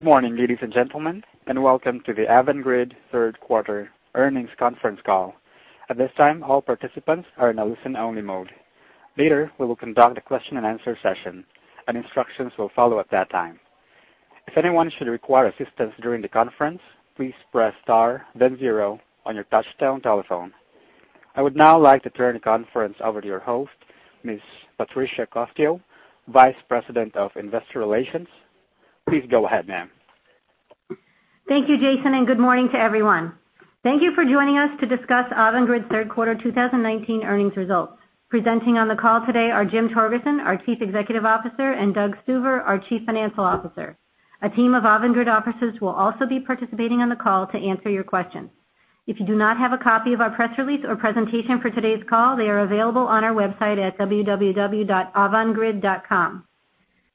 Good morning, ladies and gentlemen, and welcome to the Avangrid third quarter earnings conference call. At this time, all participants are in a listen-only mode. Later, we will conduct a question and answer session, and instructions will follow at that time. If anyone should require assistance during the conference, please press star then zero on your touchtone telephone. I would now like to turn the conference over to your host, Ms. Patricia Cosgel, Vice President of Investor Relations. Please go ahead, ma'am. Thank you, Jason. Good morning to everyone. Thank you for joining us to discuss Avangrid's third quarter 2019 earnings results. Presenting on the call today are Jim Torgerson, our Chief Executive Officer, and Doug Stuver, our Chief Financial Officer. A team of Avangrid officers will also be participating on the call to answer your questions. If you do not have a copy of our press release or presentation for today's call, they are available on our website at www.avangrid.com.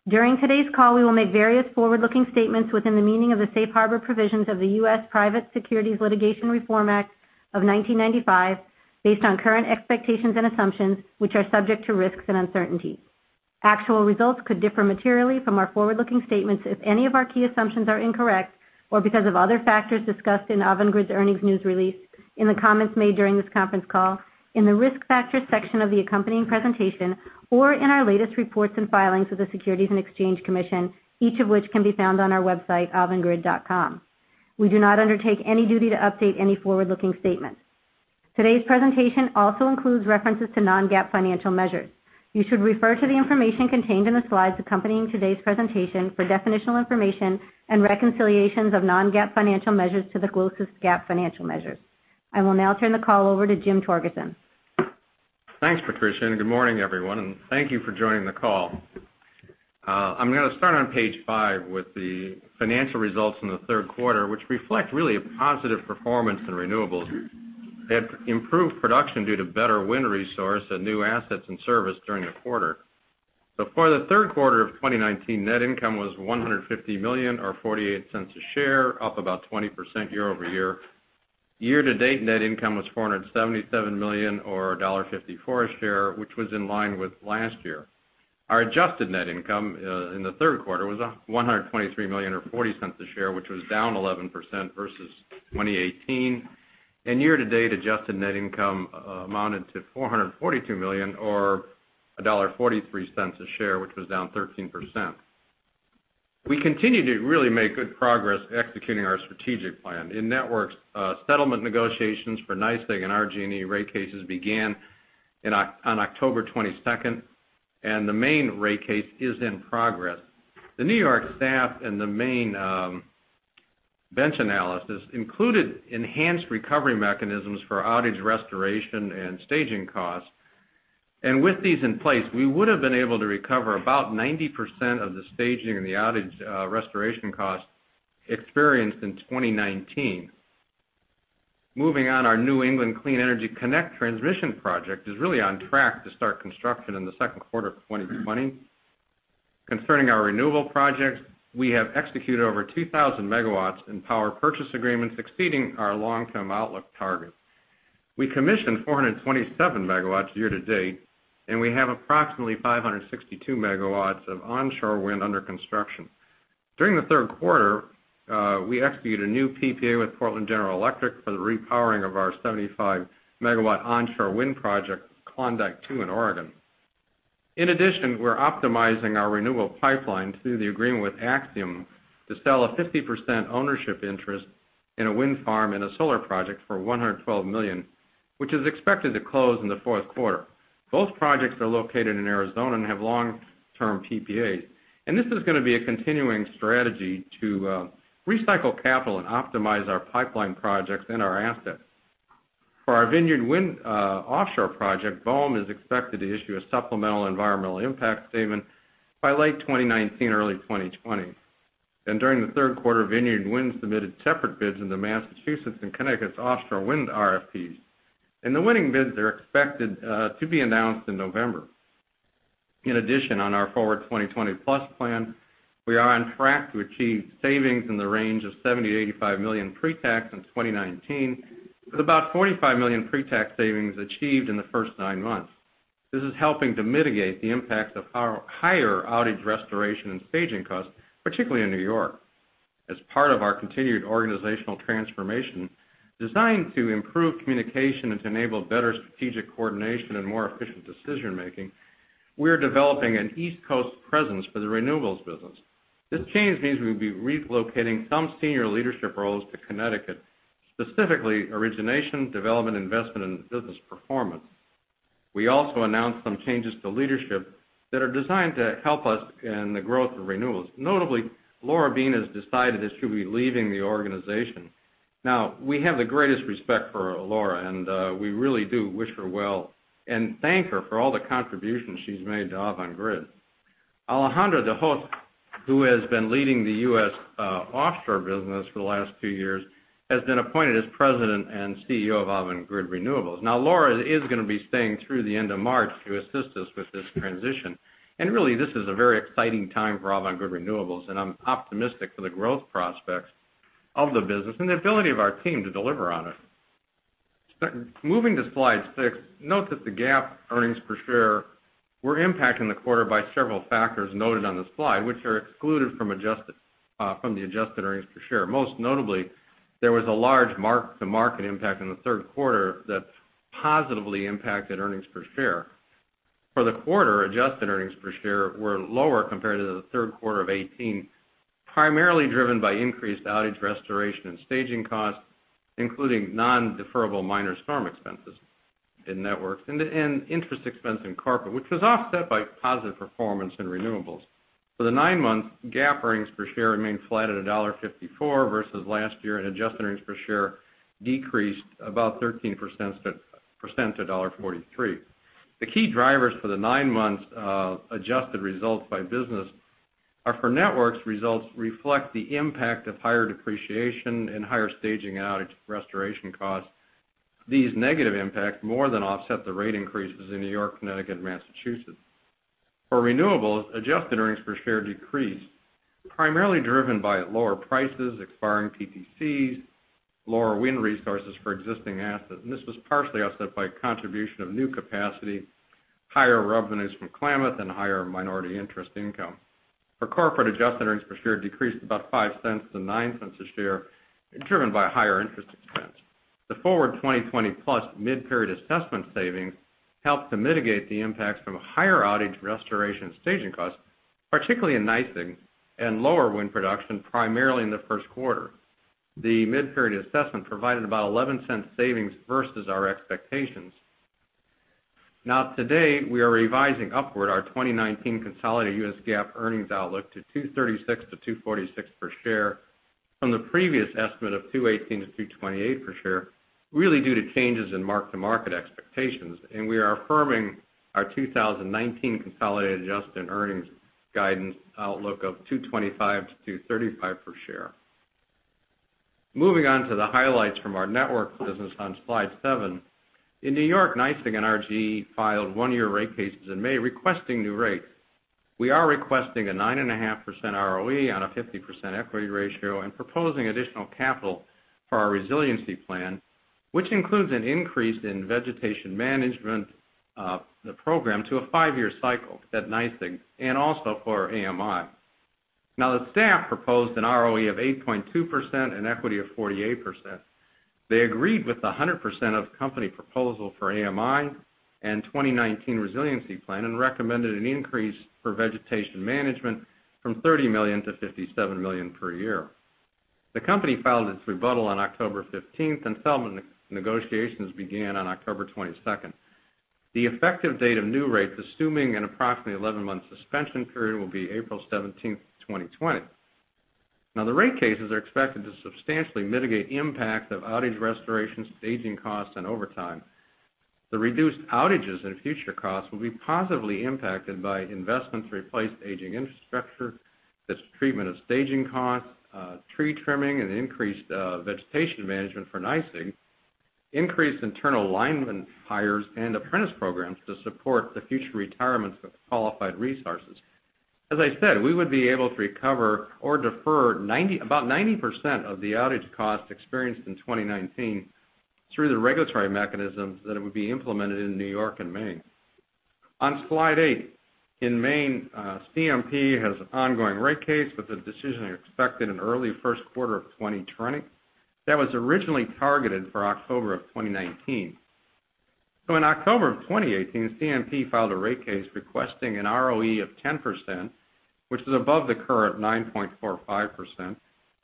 During today's call, we will make various forward-looking statements within the meaning of the Safe Harbor Provisions of the U.S. Private Securities Litigation Reform Act of 1995, based on current expectations and assumptions, which are subject to risks and uncertainties. Actual results could differ materially from our forward-looking statements if any of our key assumptions are incorrect, or because of other factors discussed in Avangrid's earnings news release, in the comments made during this conference call, in the Risk Factors section of the accompanying presentation, or in our latest reports and filings with the Securities and Exchange Commission, each of which can be found on our website, avangrid.com. We do not undertake any duty to update any forward-looking statements. Today's presentation also includes references to non-GAAP financial measures. You should refer to the information contained in the slides accompanying today's presentation for definitional information and reconciliations of non-GAAP financial measures to the closest GAAP financial measures. I will now turn the call over to Jim Torgerson. Thanks, Patricia, and good morning, everyone, and thank you for joining the call. I'm going to start on page five with the financial results from the third quarter, which reflect really a positive performance in renewables that improved production due to better wind resource and new assets and service during the quarter. For the third quarter of 2019, net income was $150 million, or $0.48 a share, up about 20% year-over-year. Year-to-date, net income was $477 million, or $1.54 a share, which was in line with last year. Our adjusted net income in the third quarter was $123 million, or $0.40 a share, which was down 11% versus 2018. Year-to-date, adjusted net income amounted to $442 million, or $1.43 a share, which was down 13%. We continue to really make good progress executing our strategic plan. In Networks, settlement negotiations for NYSEG and RG&E rate cases began on October 22nd, and the Maine rate case is in progress. The New York staff and the Maine bench analysis included enhanced recovery mechanisms for outage restoration and staging costs. With these in place, we would have been able to recover about 90% of the staging and the outage restoration costs experienced in 2019. Moving on, our New England Clean Energy Connect transmission project is really on track to start construction in the second quarter of 2020. Concerning our renewable projects, we have executed over 2,000 megawatts in power purchase agreements, exceeding our long-term outlook targets. We commissioned 427 megawatts year to date, and we have approximately 562 megawatts of onshore wind under construction. During the third quarter, we executed a new PPA with Portland General Electric for the repowering of our 75-megawatt onshore wind project, Klondike II, in Oregon. In addition, we're optimizing our renewable pipeline through the agreement with Axium Infrastructure to sell a 50% ownership interest in a wind farm and a solar project for $112 million, which is expected to close in the fourth quarter. Both projects are located in Arizona and have long-term PPAs. This is going to be a continuing strategy to recycle capital and optimize our pipeline projects and our assets. For our Vineyard Wind offshore project, BOEM is expected to issue a supplemental environmental impact statement by late 2019, early 2020. During the third quarter, Vineyard Wind submitted separate bids in the Massachusetts and Connecticut's offshore wind RFPs. The winning bids are expected to be announced in November. On our Forward 2020 Plus plan, we are on track to achieve savings in the range of $70 million-$85 million pre-tax in 2019, with about $45 million pre-tax savings achieved in the first nine months. This is helping to mitigate the impact of higher outage restoration and staging costs, particularly in New York. As part of our continued organizational transformation designed to improve communication and to enable better strategic coordination and more efficient decision-making, we are developing an East Coast presence for the renewables business. This change means we'll be relocating some senior leadership roles to Connecticut, specifically origination, development, investment, and business performance. We also announced some changes to leadership that are designed to help us in the growth of renewables. Notably, Laura Beane has decided that she'll be leaving the organization. We have the greatest respect for Laura, and we really do wish her well and thank her for all the contributions she's made to Avangrid. Alejandro de Hoz, who has been leading the U.S. offshore business for the last two years, has been appointed as President and CEO of Avangrid Renewables. Laura is going to be staying through the end of March to assist us with this transition. Really, this is a very exciting time for Avangrid Renewables, and I'm optimistic for the growth prospects of the business and the ability of our team to deliver on it. Moving to slide six, note that the GAAP earnings per share were impacted in the quarter by several factors noted on the slide, which are excluded from the adjusted earnings per share. Most notably, there was a large mark-to-market impact in the third quarter that positively impacted earnings per share. For the quarter, adjusted earnings per share were lower compared to the third quarter of 2018, primarily driven by increased outage restoration and staging costs, including non-deferrable minor storm expenses in networks and interest expense in corporate, which was offset by positive performance in renewables. For the nine months, GAAP earnings per share remained flat at $1.54 versus last year. Adjusted earnings per share decreased about 13% to $1.43. The key drivers for the nine months of adjusted results by business are for networks results reflect the impact of higher depreciation and higher staging and outage restoration costs. These negative impacts more than offset the rate increases in New York, Connecticut, and Massachusetts. For renewables, adjusted earnings per share decreased, primarily driven by lower prices, expiring PPAs, lower wind resources for existing assets. This was partially offset by contribution of new capacity, higher revenues from Klamath, and higher minority interest income. For corporate, adjusted earnings per share decreased about $0.05 to $0.09 a share, driven by higher interest expense. The Forward 2020 Plus mid-period assessment savings helped to mitigate the impacts from higher outage restoration and staging costs, particularly in NYSEG, and lower wind production, primarily in the first quarter. The mid-period assessment provided about $0.11 savings versus our expectations. Today, we are revising upward our 2019 consolidated U.S. GAAP earnings outlook to $2.36-$2.46 per share from the previous estimate of $2.18-$2.28 per share, really due to changes in mark-to-market expectations. We are affirming our 2019 consolidated adjusted earnings guidance outlook of $2.25-$2.35 per share. Moving on to the highlights from our networks business on slide seven. In N.Y., NYSEG and RG filed one-year rate cases in May, requesting new rates. We are requesting a 9.5% ROE on a 50% equity ratio and proposing additional capital for our resiliency plan, which includes an increase in vegetation management, the program to a five-year cycle at NYSEG, and also for AMI. Now, the staff proposed an ROE of 8.2% and equity of 48%. They agreed with 100% of company proposal for AMI and 2019 resiliency plan and recommended an increase for vegetation management from $30 million to $57 million per year. The company filed its rebuttal on October 15th and settlement negotiations began on October 22nd. The effective date of new rates, assuming an approximately 11-month suspension period, will be April 17th, 2020. Now, the rate cases are expected to substantially mitigate the impact of outage restoration, staging costs, and overtime. The reduced outages and future costs will be positively impacted by investments to replace aging infrastructure, this treatment of staging costs, tree trimming, and increased vegetation management for NYSEG, increased internal lineman hires, and apprentice programs to support the future retirements of qualified resources. As I said, we would be able to recover or defer about 90% of the outage costs experienced in 2019 through the regulatory mechanisms that would be implemented in New York and Maine. On slide eight, in Maine, CMP has an ongoing rate case with a decision expected in early first quarter of 2020 that was originally targeted for October of 2019. In October of 2018, CMP filed a rate case requesting an ROE of 10%, which is above the current 9.45%,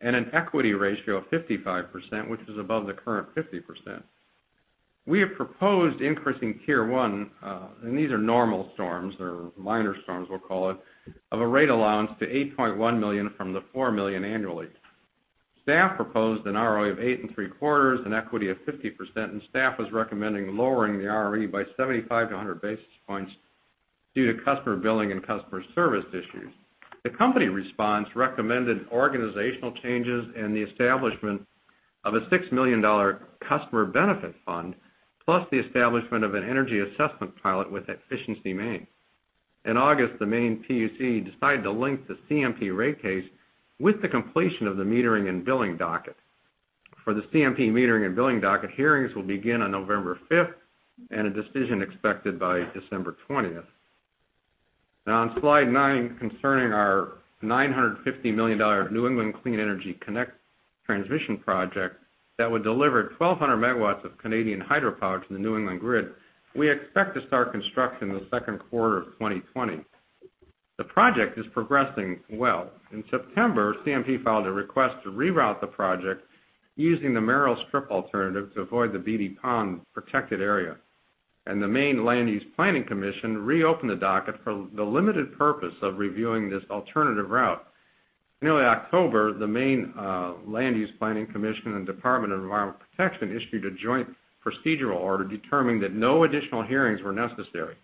and an equity ratio of 55%, which is above the current 50%. We have proposed increasing Tier 1, and these are normal storms or minor storms, we'll call it, of a rate allowance to $8.1 million from the $4 million annually. Staff proposed an ROE of 8.75% and equity of 50%, and Staff is recommending lowering the ROE by 75-100 basis points due to customer billing and customer service issues. The company response recommended organizational changes and the establishment of a $6 million customer benefit fund, plus the establishment of an energy assessment pilot with Efficiency Maine. In August, the Maine PUC decided to link the CMP rate case with the completion of the metering and billing docket. For the CMP metering and billing docket, hearings will begin on November 5th, and a decision expected by December 20th. On slide nine, concerning our $950 million New England Clean Energy Connect transmission project that would deliver 1,200 megawatts of Canadian hydropower to the New England grid, we expect to start construction in the second quarter of 2020. The project is progressing well. In September, CMP filed a request to reroute the project using the Merrill Strip alternative to avoid the Beattie Pond protected area, and the Maine Land Use Planning Commission reopened the docket for the limited purpose of reviewing this alternative route. In early October, the Maine Land Use Planning Commission and Department of Environmental Protection issued a joint procedural order determining that no additional hearings were necessary.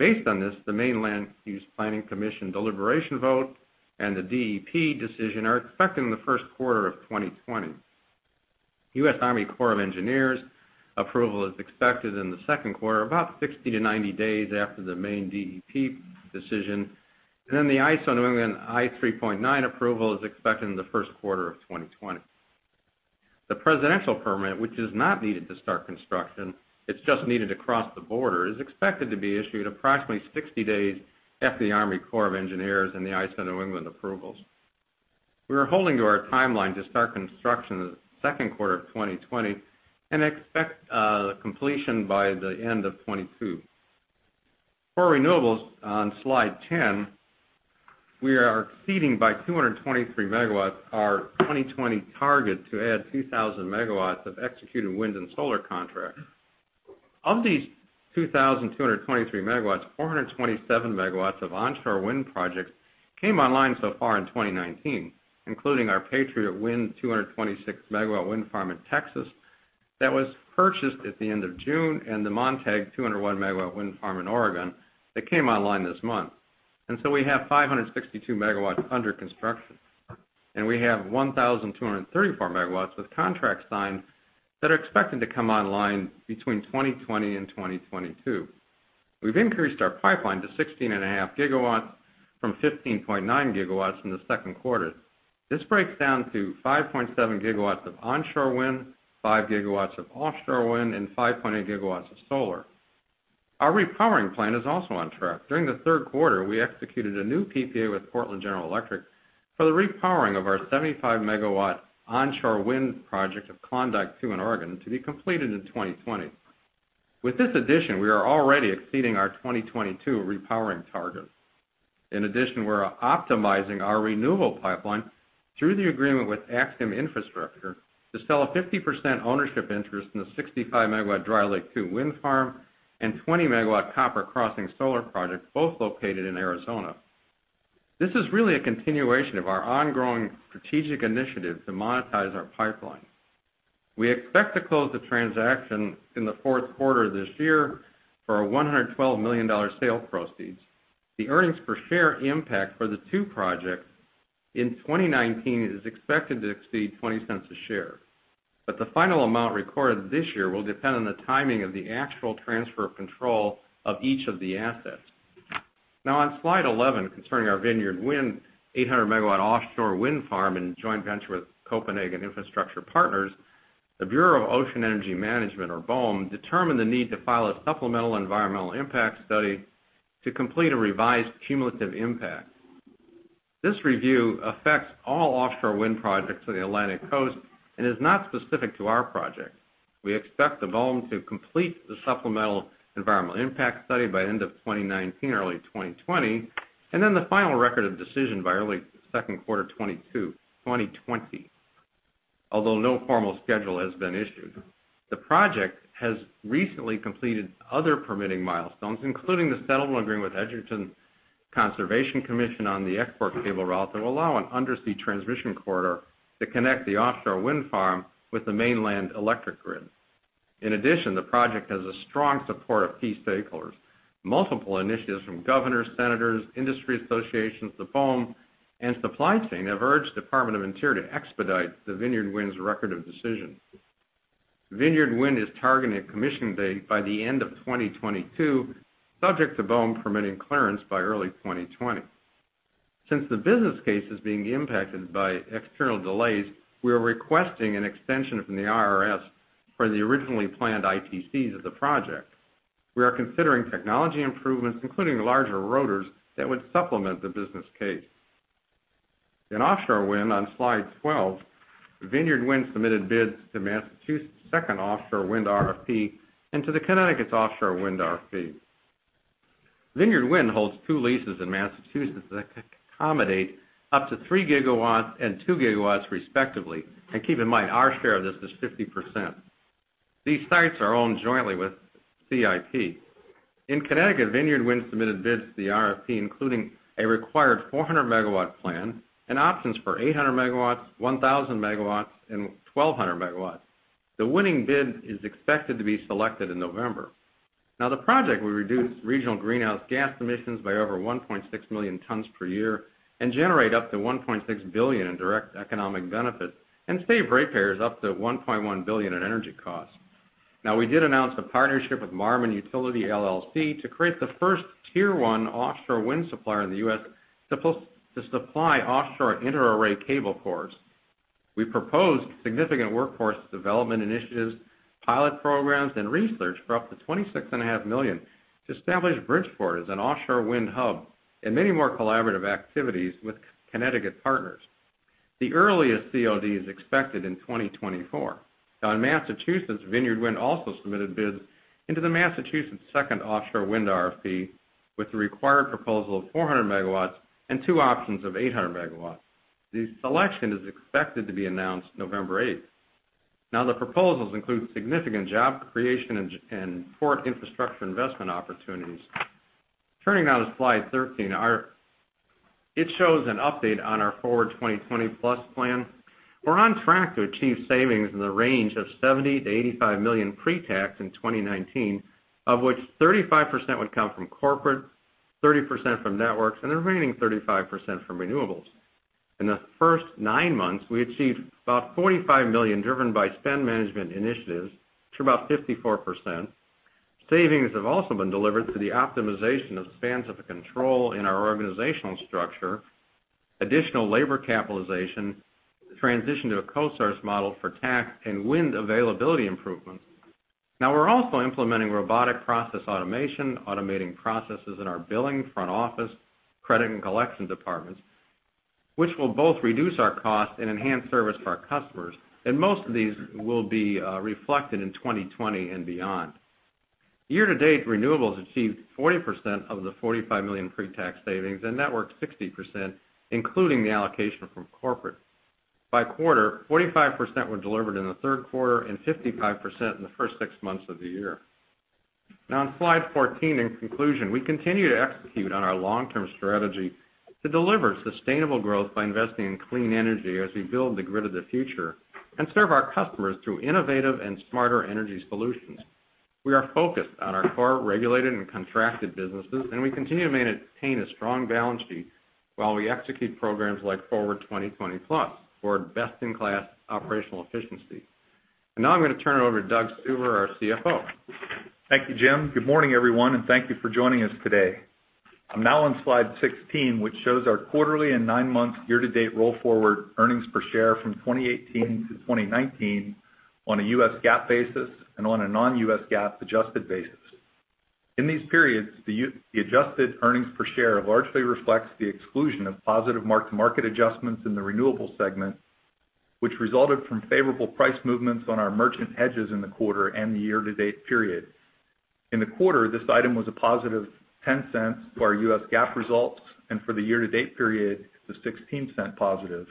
Based on this, the Maine Land Use Planning Commission deliberation vote and the DEP decision are expected in the first quarter of 2020. U.S. Army Corps of Engineers approval is expected in the second quarter, about 60 to 90 days after the Maine DEP decision. The ISO New England I.3.9 approval is expected in the first quarter of 2020. The presidential permit, which is not needed to start construction, it's just needed to cross the border, is expected to be issued approximately 60 days after the U.S. Army Corps of Engineers and the ISO New England approvals. We are holding to our timeline to start construction in the second quarter of 2020 and expect completion by the end of 2022. For renewables, on slide 10, we are exceeding by 223 megawatts our 2020 target to add 2,000 megawatts of executed wind and solar contracts. Of these 2,223 megawatts, 427 megawatts of onshore wind projects came online so far in 2019, including our Patriot Wind 226-megawatt wind farm in Texas that was purchased at the end of June, and the Montague 201-megawatt wind farm in Oregon that came online this month. We have 562 megawatts under construction, and we have 1,234 megawatts with contracts signed that are expected to come online between 2020 and 2022. We've increased our pipeline to 16.5 gigawatts from 15.9 gigawatts in the second quarter. This breaks down to 5.7 gigawatts of onshore wind, five gigawatts of offshore wind, and 5.8 gigawatts of solar. Our repowering plan is also on track. During the third quarter, we executed a new PPA with Portland General Electric for the repowering of our 75-megawatt onshore wind project of Klondike II in Oregon to be completed in 2020. With this addition, we are already exceeding our 2022 repowering target. In addition, we're optimizing our renewable pipeline through the agreement with Axium Infrastructure to sell a 50% ownership interest in the 65-megawatt Dry Lake 2 Wind Farm and 20-megawatt Copper Crossing Solar Ranch, both located in Arizona. This is really a continuation of our ongoing strategic initiative to monetize our pipeline. We expect to close the transaction in the fourth quarter of this year for a $112 million sale proceeds. The earnings per share impact for the two projects in 2019 is expected to exceed $0.20 a share, but the final amount recorded this year will depend on the timing of the actual transfer of control of each of the assets. On slide 11, concerning our Vineyard Wind 800-megawatt offshore wind farm and joint venture with Copenhagen Infrastructure Partners, the Bureau of Ocean Energy Management, or BOEM, determined the need to file a supplemental environmental impact study to complete a revised cumulative impact. This review affects all offshore wind projects on the Atlantic Coast and is not specific to our project. We expect the BOEM to complete the supplemental environmental impact study by end of 2019, early 2020, then the final record of decision by early second quarter 2020. Although no formal schedule has been issued. The project has recently completed other permitting milestones, including the settlement agreement with Edgartown Conservation Commission on the export cable route that will allow an undersea transmission corridor to connect the offshore wind farm with the mainland electric grid. In addition, the project has a strong support of key stakeholders. Multiple initiatives from governors, senators, industry associations, the BOEM, and supply chain have urged Department of Interior to expedite the Vineyard Wind's record of decision. Vineyard Wind is targeting a commission date by the end of 2022, subject to BOEM permitting clearance by early 2020. Since the business case is being impacted by external delays, we are requesting an extension from the IRS for the originally planned ITCs of the project. We are considering technology improvements, including larger rotors that would supplement the business case. In offshore wind on slide 12, Vineyard Wind submitted bids to Massachusetts' second offshore wind RFP and to Connecticut's offshore wind RFP. Vineyard Wind holds two leases in Massachusetts that could accommodate up to three gigawatts and two gigawatts respectively. Keep in mind, our share of this is 50%. These sites are owned jointly with CIP. In Connecticut, Vineyard Wind submitted bids to the RFP, including a required 400-megawatt plan and options for 800 megawatts, 1,000 megawatts, and 1,200 megawatts. The winning bid is expected to be selected in November. The project will reduce regional greenhouse gas emissions by over 1.6 million tons per year and generate up to $1.6 billion in direct economic benefits and save ratepayers up to $1.1 billion in energy costs. We did announce a partnership with Marmon Utility LLC to create the first tier 1 offshore wind supplier in the U.S. to supply offshore inter-array cable cores. We proposed significant workforce development initiatives, pilot programs, and research for up to $26.5 million to establish Bridgeport as an offshore wind hub and many more collaborative activities with Connecticut partners. The earliest COD is expected in 2024. In Massachusetts, Vineyard Wind also submitted bids into the Massachusetts second offshore wind RFP with the required proposal of 400 megawatts and two options of 800 megawatts. The selection is expected to be announced November 8th. The proposals include significant job creation and port infrastructure investment opportunities. Turning now to slide 13, it shows an update on our Forward 2020 Plus plan. We're on track to achieve savings in the range of $70 million-$85 million pre-tax in 2019, of which 35% would come from corporate, 30% from networks, and the remaining 35% from renewables. In the first nine months, we achieved about $45 million driven by spend management initiatives to about 54%. Savings have also been delivered through the optimization of spans of control in our organizational structure, additional labor capitalization, transition to a co-source model for tax, and wind availability improvements. We're also implementing robotic process automation, automating processes in our billing front office, credit and collection departments, which will both reduce our cost and enhance service for our customers. Most of these will be reflected in 2020 and beyond. Year-to-date renewables achieved 40% of the $45 million pre-tax savings, and networks 60%, including the allocation from corporate. By quarter, 45% were delivered in the third quarter, and 55% in the first six months of the year. On slide 14, in conclusion, we continue to execute on our long-term strategy to deliver sustainable growth by investing in clean energy as we build the grid of the future and serve our customers through innovative and smarter energy solutions. We are focused on our core regulated and contracted businesses, and we continue to maintain a strong balance sheet while we execute programs like Forward 2020 Plus for best-in-class operational efficiency. Now I'm going to turn it over to Doug Stuver, our CFO. Thank you, Jim. Good morning, everyone, and thank you for joining us today. I'm now on slide 16, which shows our quarterly and nine-month year-to-date roll forward earnings per share from 2018 to 2019 on a US GAAP basis and on a non-US GAAP adjusted basis. In these periods, the adjusted earnings per share largely reflects the exclusion of positive mark-to-market adjustments in the renewable segment, which resulted from favorable price movements on our merchant hedges in the quarter and the year-to-date period. In the quarter, this item was a positive $0.10 to our US GAAP results, and for the year-to-date period, it was $0.16 positive.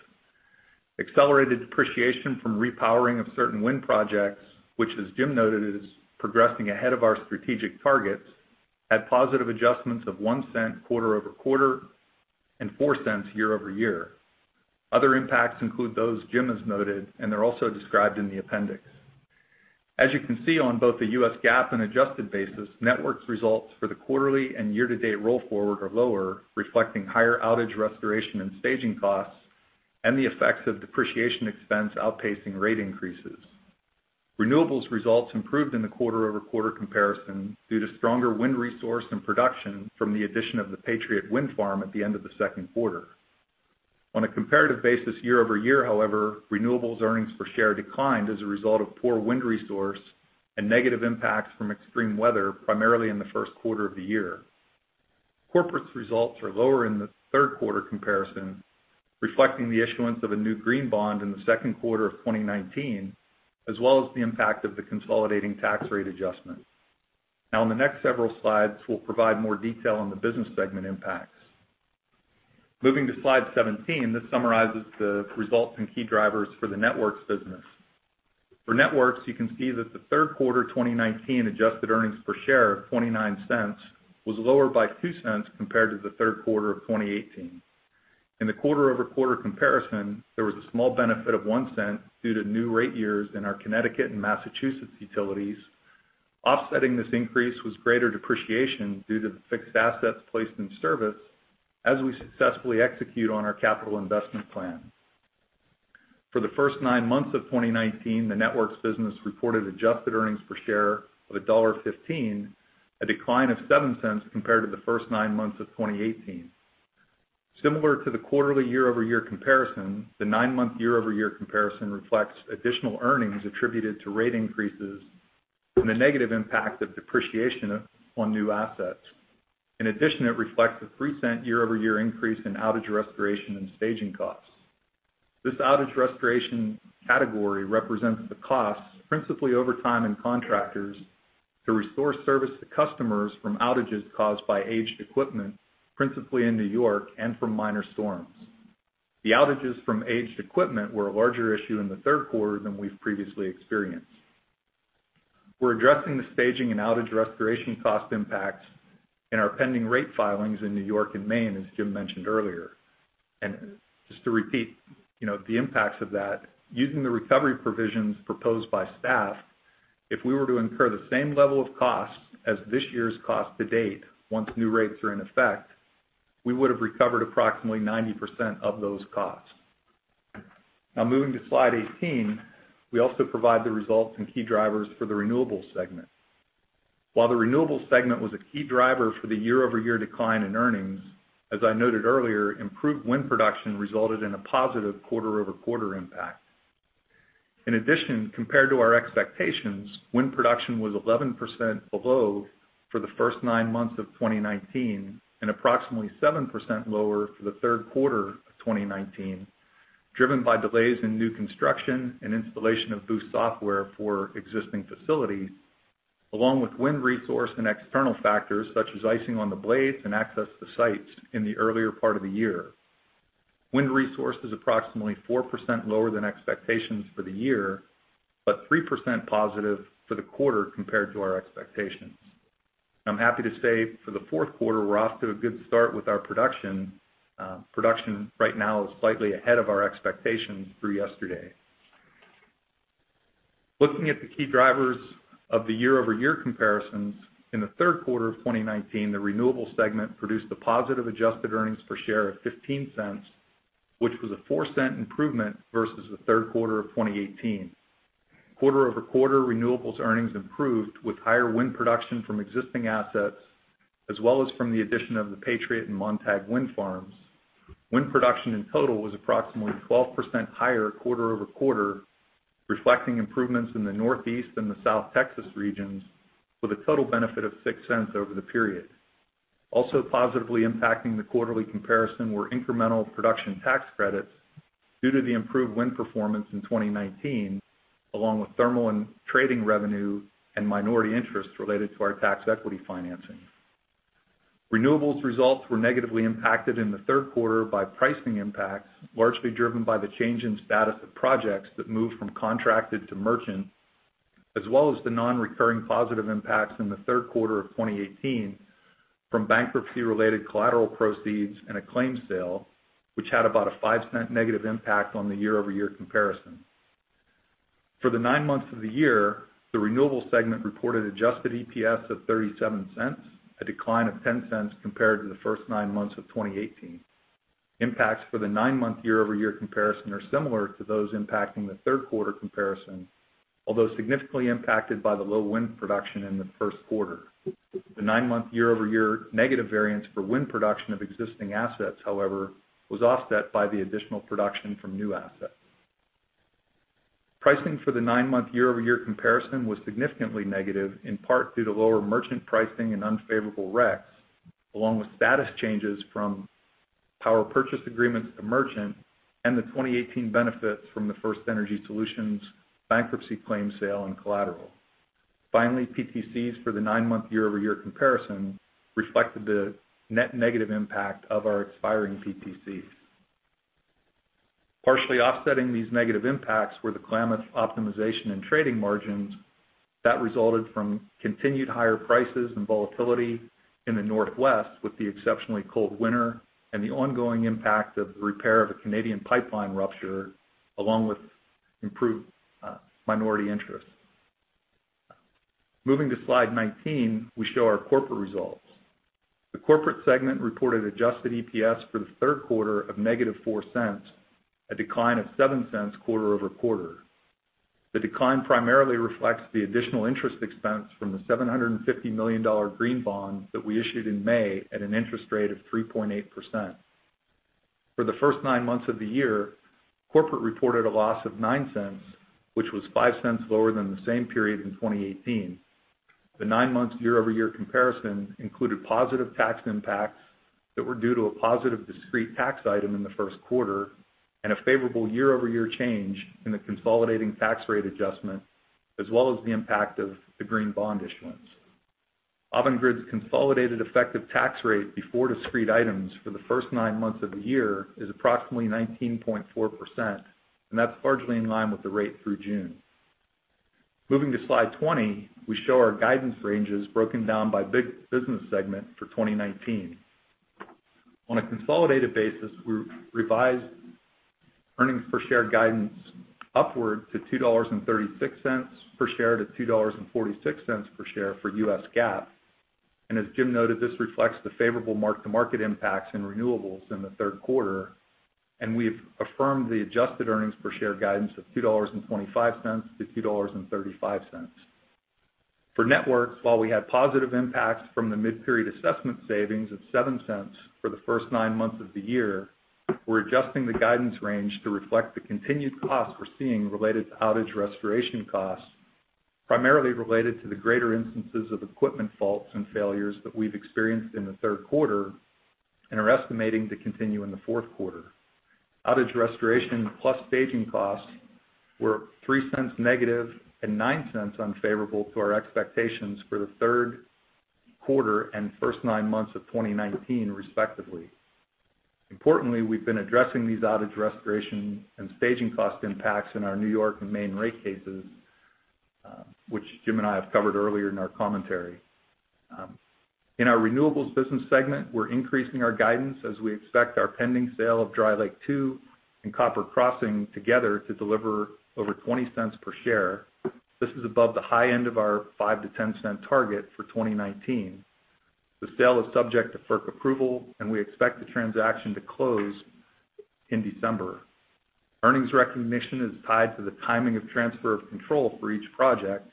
Accelerated depreciation from repowering of certain wind projects, which as Jim noted, is progressing ahead of our strategic targets, had positive adjustments of $0.01 quarter-over-quarter and $0.04 year-over-year. Other impacts include those Jim has noted, and they're also described in the appendix. As you can see on both the U.S. GAAP and adjusted basis, networks results for the quarterly and year-to-date roll forward are lower, reflecting higher outage restoration and staging costs and the effects of depreciation expense outpacing rate increases. Renewables results improved in the quarter-over-quarter comparison due to stronger wind resource and production from the addition of the Patriot Wind Farm at the end of the second quarter. On a comparative basis year-over-year, however, renewables earnings per share declined as a result of poor wind resource and negative impacts from extreme weather, primarily in the first quarter of the year. Corporate's results are lower in the third quarter comparison, reflecting the issuance of a new green bond in the second quarter of 2019, as well as the impact of the consolidating tax rate adjustment. In the next several slides, we'll provide more detail on the business segment impacts. Moving to slide 17, this summarizes the results and key drivers for the networks business. For networks, you can see that the third quarter 2019 adjusted earnings per share of $0.29 was lower by $0.02 compared to the third quarter of 2018. In the quarter-over-quarter comparison, there was a small benefit of $0.01 due to new rate years in our Connecticut and Massachusetts utilities. Offsetting this increase was greater depreciation due to the fixed assets placed in service as we successfully execute on our capital investment plan. For the first nine months of 2019, the networks business reported adjusted earnings per share of $1.15, a decline of $0.07 compared to the first nine months of 2018. Similar to the quarterly year-over-year comparison, the nine-month year-over-year comparison reflects additional earnings attributed to rate increases and the negative impact of depreciation on new assets. In addition, it reflects a $0.03 year-over-year increase in outage restoration and staging costs. This outage restoration category represents the costs, principally over time in contractors, to restore service to customers from outages caused by aged equipment, principally in New York and from minor storms. The outages from aged equipment were a larger issue in the third quarter than we've previously experienced. We're addressing the staging and outage restoration cost impacts in our pending rate filings in New York and Maine, as Jim mentioned earlier. Just to repeat the impacts of that, using the recovery provisions proposed by staff, if we were to incur the same level of costs as this year's cost to date, once new rates are in effect, we would've recovered approximately 90% of those costs. Moving to slide 18, we also provide the results and key drivers for the renewables segment. While the renewables segment was a key driver for the year-over-year decline in earnings, as I noted earlier, improved wind production resulted in a positive quarter-over-quarter impact. In addition, compared to our expectations, wind production was 11% below for the first nine months of 2019 and approximately 7% lower for the third quarter of 2019, driven by delays in new construction and installation of boost software for existing facilities, along with wind resource and external factors such as icing on the blades and access to sites in the earlier part of the year. Wind resource is approximately 4% lower than expectations for the year, but 3% positive for the quarter compared to our expectations. I'm happy to say for the fourth quarter, we're off to a good start with our production. Production right now is slightly ahead of our expectations through yesterday. Looking at the key drivers of the year-over-year comparisons, in the third quarter of 2019, the renewable segment produced a positive adjusted earnings per share of $0.15, which was a $0.04 improvement versus the third quarter of 2018. Quarter-over-quarter renewables earnings improved with higher wind production from existing assets, as well as from the addition of the Patriot and Montague wind farms. Wind production in total was approximately 12% higher quarter-over-quarter, reflecting improvements in the Northeast and the South Texas regions, with a total benefit of $0.06 over the period. Also positively impacting the quarterly comparison were incremental production tax credits due to the improved wind performance in 2019, along with thermal and trading revenue and minority interests related to our tax equity financing. Renewables results were negatively impacted in the third quarter by pricing impacts, largely driven by the change in status of projects that moved from contracted to merchant, as well as the non-recurring positive impacts in the third quarter of 2018 from bankruptcy-related collateral proceeds and a claim sale, which had about a $0.05 negative impact on the year-over-year comparison. For the nine months of the year, the renewable segment reported adjusted EPS of $0.37, a decline of $0.10 compared to the first nine months of 2018. Impacts for the nine-month year-over-year comparison are similar to those impacting the third quarter comparison, although significantly impacted by the low wind production in the first quarter. The nine-month year-over-year negative variance for wind production of existing assets, however, was offset by the additional production from new assets. Pricing for the nine-month year-over-year comparison was significantly negative, in part due to lower merchant pricing and unfavorable RECs, along with status changes from power purchase agreements to merchant, and the 2018 benefits from the FirstEnergy Solutions bankruptcy claim sale and collateral. Finally, PTCs for the nine-month year-over-year comparison reflected the net negative impact of our expiring PTCs. Partially offsetting these negative impacts were the Klamath optimization and trading margins that resulted from continued higher prices and volatility in the Northwest with the exceptionally cold winter and the ongoing impact of the repair of a Canadian pipeline rupture, along with improved minority interest. Moving to slide 19, we show our corporate results. The corporate segment reported adjusted EPS for the third quarter of negative $0.04, a decline of $0.07 quarter-over-quarter. The decline primarily reflects the additional interest expense from the $750 million green bond that we issued in May at an interest rate of 3.8%. For the first nine months of the year, corporate reported a loss of $0.09, which was $0.05 lower than the same period in 2018. The nine months year-over-year comparison included positive tax impacts that were due to a positive discrete tax item in the first quarter and a favorable year-over-year change in the consolidating tax rate adjustment, as well as the impact of the green bond issuance. Avangrid's consolidated effective tax rate before discrete items for the first nine months of the year is approximately 19.4%, and that's largely in line with the rate through June. Moving to slide 20, we show our guidance ranges broken down by business segment for 2019. On a consolidated basis, we revised earnings per share guidance upward to $2.36 per share to $2.46 per share for U.S. GAAP. As Jim noted, this reflects the favorable mark-to-market impacts in renewables in the third quarter, and we have affirmed the adjusted earnings per share guidance of $2.25 to $2.35. For networks, while we had positive impacts from the mid-period assessment savings of $0.07 for the first nine months of the year, we're adjusting the guidance range to reflect the continued costs we're seeing related to outage restoration costs, primarily related to the greater instances of equipment faults and failures that we've experienced in the third quarter and are estimating to continue in the fourth quarter. Outage restoration plus staging costs were $0.03 negative and $0.09 unfavorable to our expectations for the third quarter and first nine months of 2019, respectively. Importantly, we've been addressing these outage restoration and staging cost impacts in our New York and Maine rate cases, which Jim and I have covered earlier in our commentary. In our renewables business segment, we're increasing our guidance as we expect our pending sale of Dry Lake 2 and Copper Crossing together to deliver over $0.20 per share. This is above the high end of our $0.05-$0.10 target for 2019. The sale is subject to FERC approval, and we expect the transaction to close in December. Earnings recognition is tied to the timing of transfer of control for each project,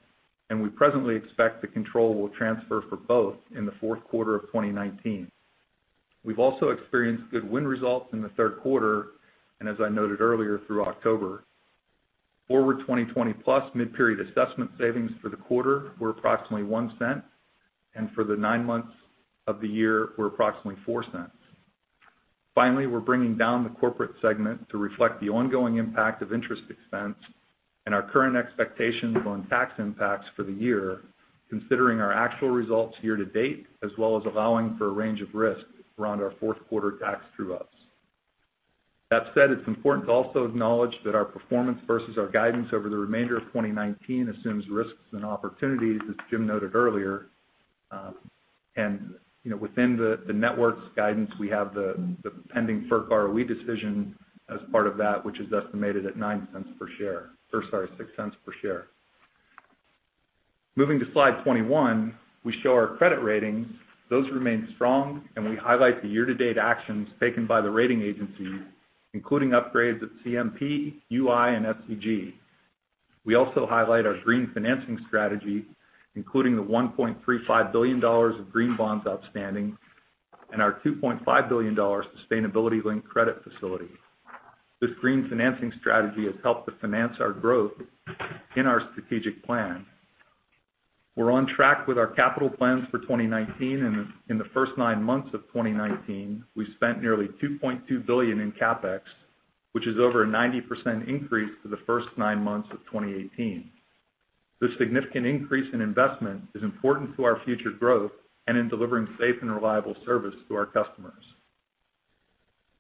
and we presently expect the control will transfer for both in the fourth quarter of 2019. We've also experienced good wind results in the third quarter, and as I noted earlier, through October. Forward 2020 Plus mid-period assessment savings for the quarter were approximately $0.01, and for the nine months of the year were approximately $0.04. We're bringing down the corporate segment to reflect the ongoing impact of interest expense and our current expectations on tax impacts for the year, considering our actual results year-to-date, as well as allowing for a range of risk around our fourth quarter tax true-ups. That said, it's important to also acknowledge that our performance versus our guidance over the remainder of 2019 assumes risks and opportunities, as Jim noted earlier. Within the Networks guidance, we have the pending FERC ROE decision as part of that, which is estimated at $0.06 per share. Moving to slide 21, we show our credit ratings. Those remain strong, and we highlight the year-to-date actions taken by the rating agencies, including upgrades at CMP, UI, and SCG. We also highlight our green financing strategy, including the $1.35 billion of green bonds outstanding and our $2.5 billion sustainability-linked credit facility. This green financing strategy has helped to finance our growth in our strategic plan. We're on track with our capital plans for 2019. In the first nine months of 2019, we've spent nearly $2.2 billion in CapEx, which is over a 90% increase to the first nine months of 2018. This significant increase in investment is important to our future growth and in delivering safe and reliable service to our customers.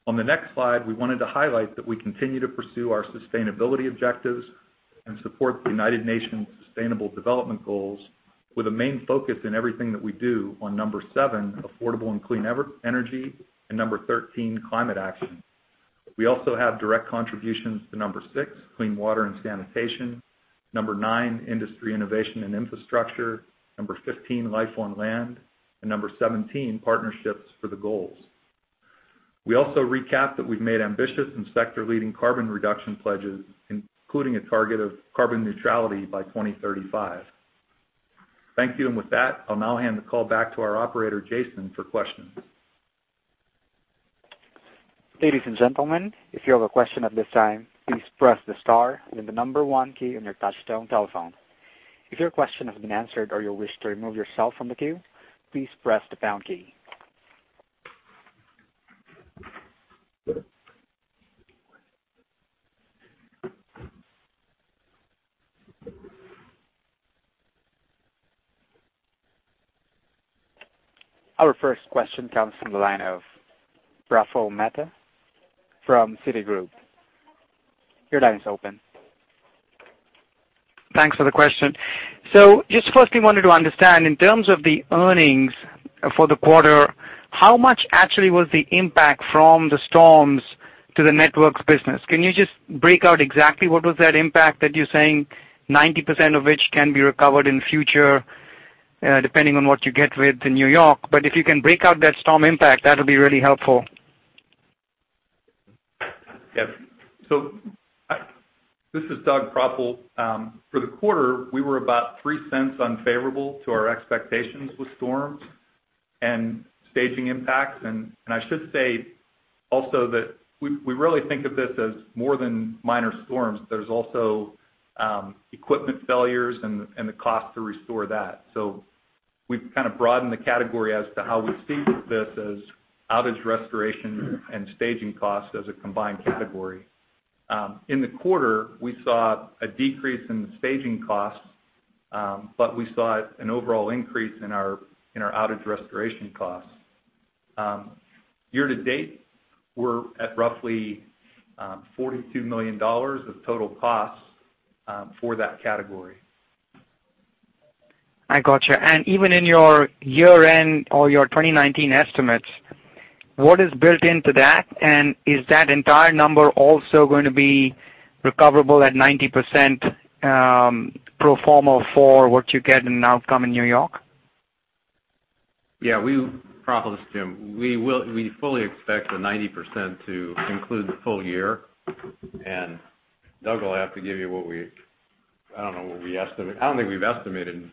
On the next slide, we wanted to highlight that we continue to pursue our sustainability objectives and support the United Nations Sustainable Development Goals with a main focus in everything that we do on number 7, affordable and clean energy, and number 13, climate action. We also have direct contributions to number six, clean water and sanitation, number nine, industry innovation and infrastructure, number 15, life on land, and number 17, partnerships for the goals. We also recap that we've made ambitious and sector-leading carbon reduction pledges, including a target of carbon neutrality by 2035. Thank you. With that, I'll now hand the call back to our operator, Jason, for questions. Ladies and gentlemen, if you have a question at this time, please press the star then the number one key on your touchtone telephone. If your question has been answered or you wish to remove yourself from the queue, please press the pound key. Our first question comes from the line of Praful Mehta from Citigroup. Your line is open. Thanks for the question. Just firstly wanted to understand, in terms of the earnings for the quarter, how much actually was the impact from the storms to the Networks business? Can you just break out exactly what was that impact that you're saying 90% of which can be recovered in future, depending on what you get with the New York? If you can break out that storm impact, that'll be really helpful. Yep. This is Doug Stuver. For the quarter, we were about $0.03 unfavorable to our expectations with storms and staging impacts. I should say also that we really think of this as more than minor storms. There's also equipment failures and the cost to restore that. We've kind of broadened the category as to how we see this as outage restoration and staging costs as a combined category. In the quarter, we saw a decrease in the staging costs, but we saw an overall increase in our outage restoration costs. Year to date, we're at roughly $42 million of total costs for that category. I got you. Even in your year-end or your 2019 estimates, what is built into that? Is that entire number also going to be recoverable at 90% pro forma for what you get in outcome in New York? Yeah. Praful, this is Jim. We fully expect the 90% to include the full year. Doug will have to give you what we. I don't know what we estimate. I don't think we've estimated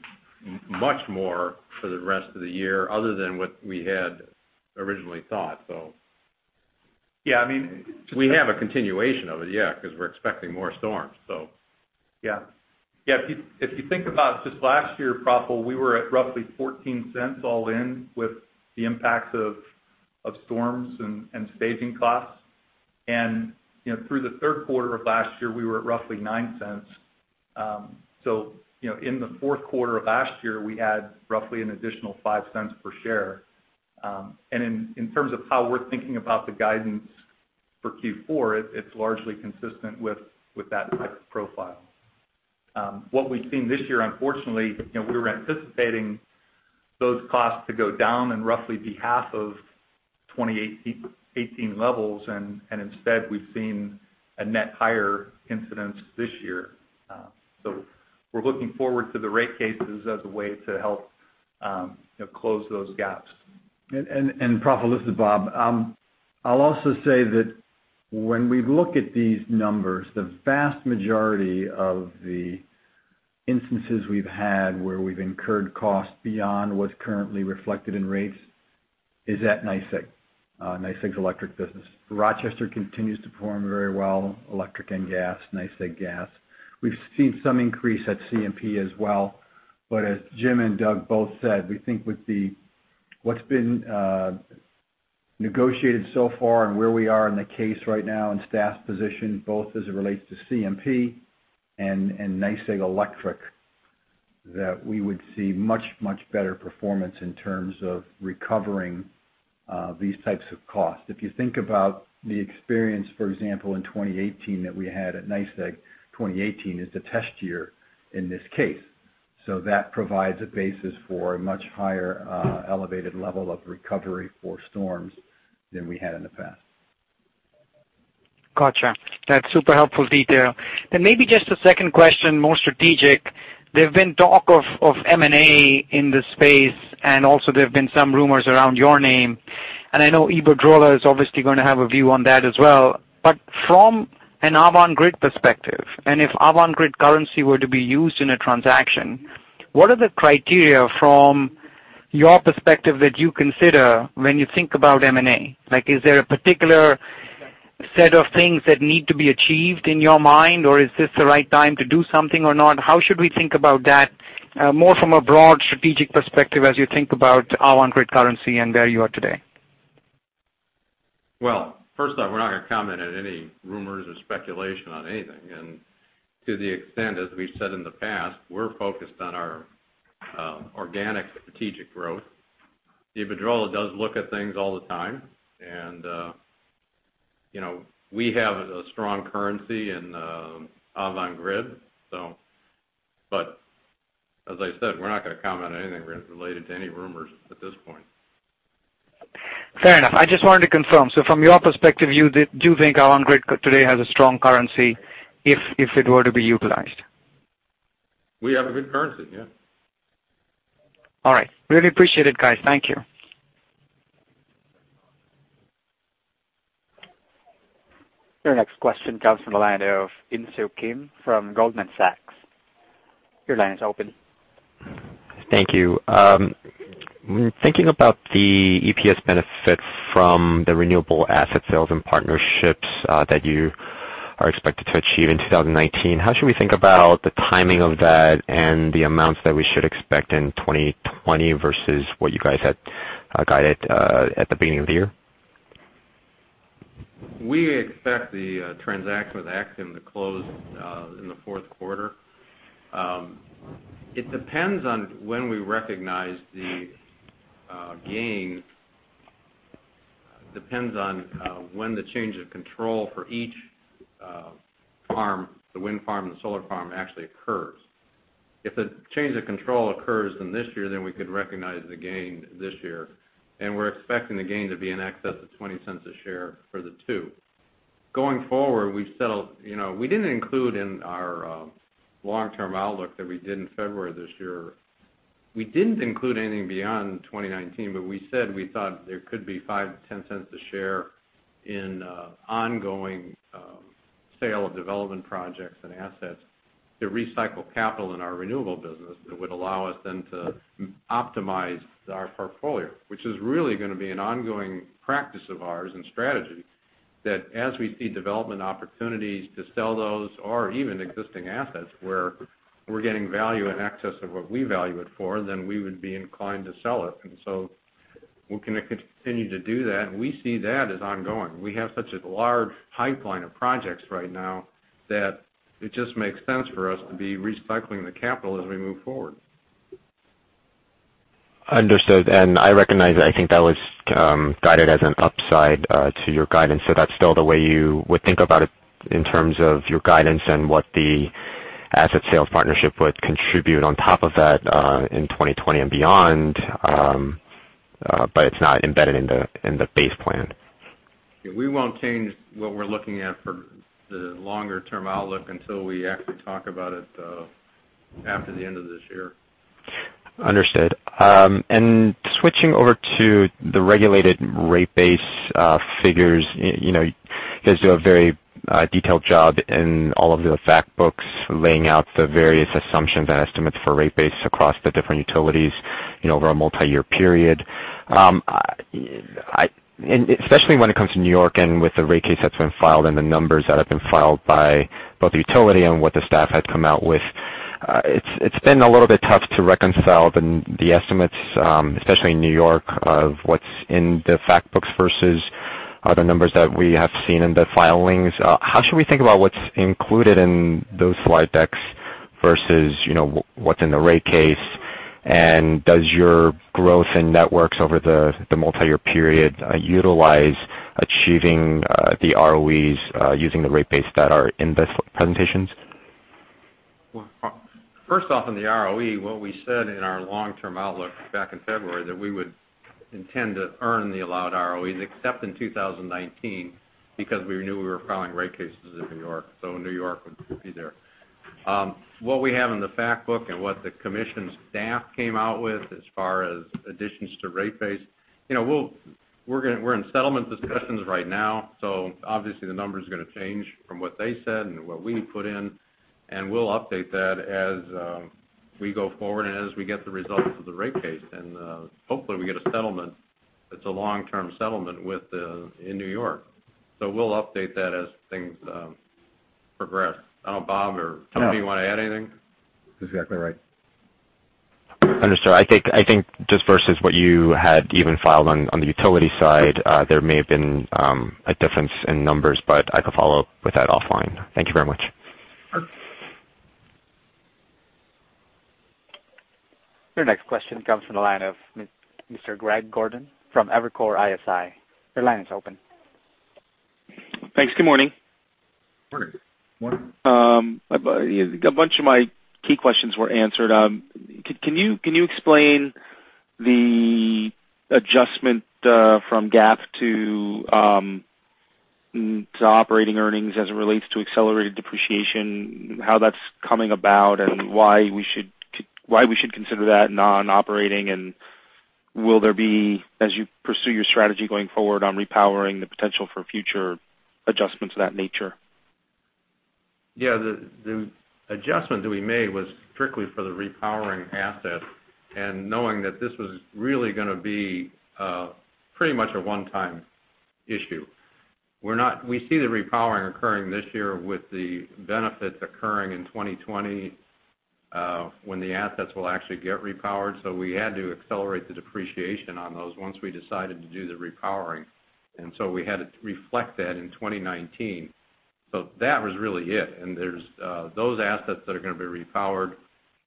much more for the rest of the year other than what we had originally thought. Yeah, I mean. We have a continuation of it, yeah, because we're expecting more storms. Yeah. If you think about just last year, Praful, we were at roughly $0.14 all in with the impacts of storms and staging costs. Through the third quarter of last year, we were at roughly $0.09. In the fourth quarter of last year, we had roughly an additional $0.05 per share. In terms of how we're thinking about the guidance for Q4, it's largely consistent with that type of profile. What we've seen this year, unfortunately, we were anticipating those costs to go down and roughly be half of 2018 levels, and instead, we've seen a net higher incidence this year. We're looking forward to the rate cases as a way to help close those gaps. Praful, this is Bob. I'll also say that when we look at these numbers, the vast majority of the instances we've had where we've incurred costs beyond what's currently reflected in rates is at NYSEG's electric business. Rochester continues to perform very well, electric and gas, NYSEG gas. We've seen some increase at CMP as well. As Jim and Doug both said, we think with what's been negotiated so far and where we are in the case right now and staff position, both as it relates to CMP and NYSEG Electric, that we would see much better performance in terms of recovering these types of costs. If you think about the experience, for example, in 2018 that we had at NYSEG, 2018 is the test year in this case. That provides a basis for a much higher elevated level of recovery for storms than we had in the past. Gotcha. That's super helpful detail. Maybe just a second question, more strategic. There've been talk of M&A in this space, and also there have been some rumors around your name, and I know Iberdrola is obviously going to have a view on that as well. From an Avangrid perspective, and if Avangrid currency were to be used in a transaction, what are the criteria from your perspective that you consider when you think about M&A? Is there a particular set of things that need to be achieved in your mind, or is this the right time to do something or not? How should we think about that, more from a broad strategic perspective as you think about Avangrid currency and where you are today? Well, first off, we're not going to comment on any rumors or speculation on anything. To the extent, as we've said in the past, we're focused on our organic strategic growth. Iberdrola does look at things all the time, and we have a strong currency in Avangrid. As I said, we're not going to comment on anything related to any rumors at this point. Fair enough. I just wanted to confirm. From your perspective, you do think Avangrid today has a strong currency, if it were to be utilized? We have a good currency, yeah. All right. Really appreciate it, guys. Thank you. Your next question comes from the line of Insoo Kim from Goldman Sachs. Your line is open. Thank you. Thinking about the EPS benefit from the renewable asset sales and partnerships that you are expected to achieve in 2019, how should we think about the timing of that and the amounts that we should expect in 2020 versus what you guys had guided at the beginning of the year? We expect the transaction with Axium to close in the fourth quarter. It depends on when we recognize the gain. Depends on when the change of control for each farm, the wind farm and the solar farm, actually occurs. If the change of control occurs in this year, then we could recognize the gain this year, and we're expecting the gain to be in excess of $0.20 a share for the two. Going forward, we didn't include in our long-term outlook that we did in February this year. We didn't include anything beyond 2019, but we said we thought there could be $0.05-$0.10 a share in ongoing sale of development projects and assets to recycle capital in our renewable business that would allow us then to optimize our portfolio. Which is really going to be an ongoing practice of ours and strategy, that as we see development opportunities to sell those or even existing assets where we're getting value in excess of what we value it for, then we would be inclined to sell it. So we're going to continue to do that, and we see that as ongoing. We have such a large pipeline of projects right now that it just makes sense for us to be recycling the capital as we move forward. Understood. I recognize, I think that was guided as an upside to your guidance. That's still the way you would think about it in terms of your guidance and what the asset sales partnership would contribute on top of that in 2020 and beyond. It's not embedded in the base plan. We won't change what we're looking at for the longer-term outlook until we actually talk about it after the end of this year. Understood. Switching over to the regulated rate base figures. You guys do a very detailed job in all of the fact books, laying out the various assumptions and estimates for rate base across the different utilities over a multi-year period. Especially when it comes to New York and with the rate case that's been filed and the numbers that have been filed by both the utility and what the staff has come out with. It's been a little bit tough to reconcile the estimates, especially in New York, of what's in the fact books versus the numbers that we have seen in the filings. How should we think about what's included in those slide decks versus what's in the rate case? Does your growth in networks over the multi-year period utilize achieving the ROEs using the rate base that are in these presentations? First off, on the ROE, what we said in our long-term outlook back in February that we would intend to earn the allowed ROEs, except in 2019, because we knew we were filing rate cases in New York, so New York would be there. What we have in the fact book and what the commission staff came out with as far as additions to rate base, we're in settlement discussions right now, so obviously the numbers are going to change from what they said and what we put in, and we'll update that as we go forward and as we get the results of the rate case. Hopefully we get a settlement that's a long-term settlement in New York. We'll update that as things progress. I don't know, Bob or Tommy, do you want to add anything? That's exactly right. Understood. I think just versus what you had even filed on the utility side, there may have been a difference in numbers, but I could follow up with that offline. Thank you very much. Your next question comes from the line of Mr. Greg Gordon from Evercore ISI. Your line is open. Thanks. Good morning. Perfect. Warren? A bunch of my key questions were answered. Can you explain the adjustment from GAAP to operating earnings as it relates to accelerated depreciation, how that's coming about, and why we should consider that non-operating? Will there be, as you pursue your strategy going forward on repowering, the potential for future adjustments of that nature? The adjustment that we made was strictly for the repowering asset and knowing that this was really going to be pretty much a one-time issue. We see the repowering occurring this year with the benefits occurring in 2020, when the assets will actually get repowered. We had to accelerate the depreciation on those once we decided to do the repowering. We had to reflect that in 2019. That was really it. There's those assets that are going to be repowered.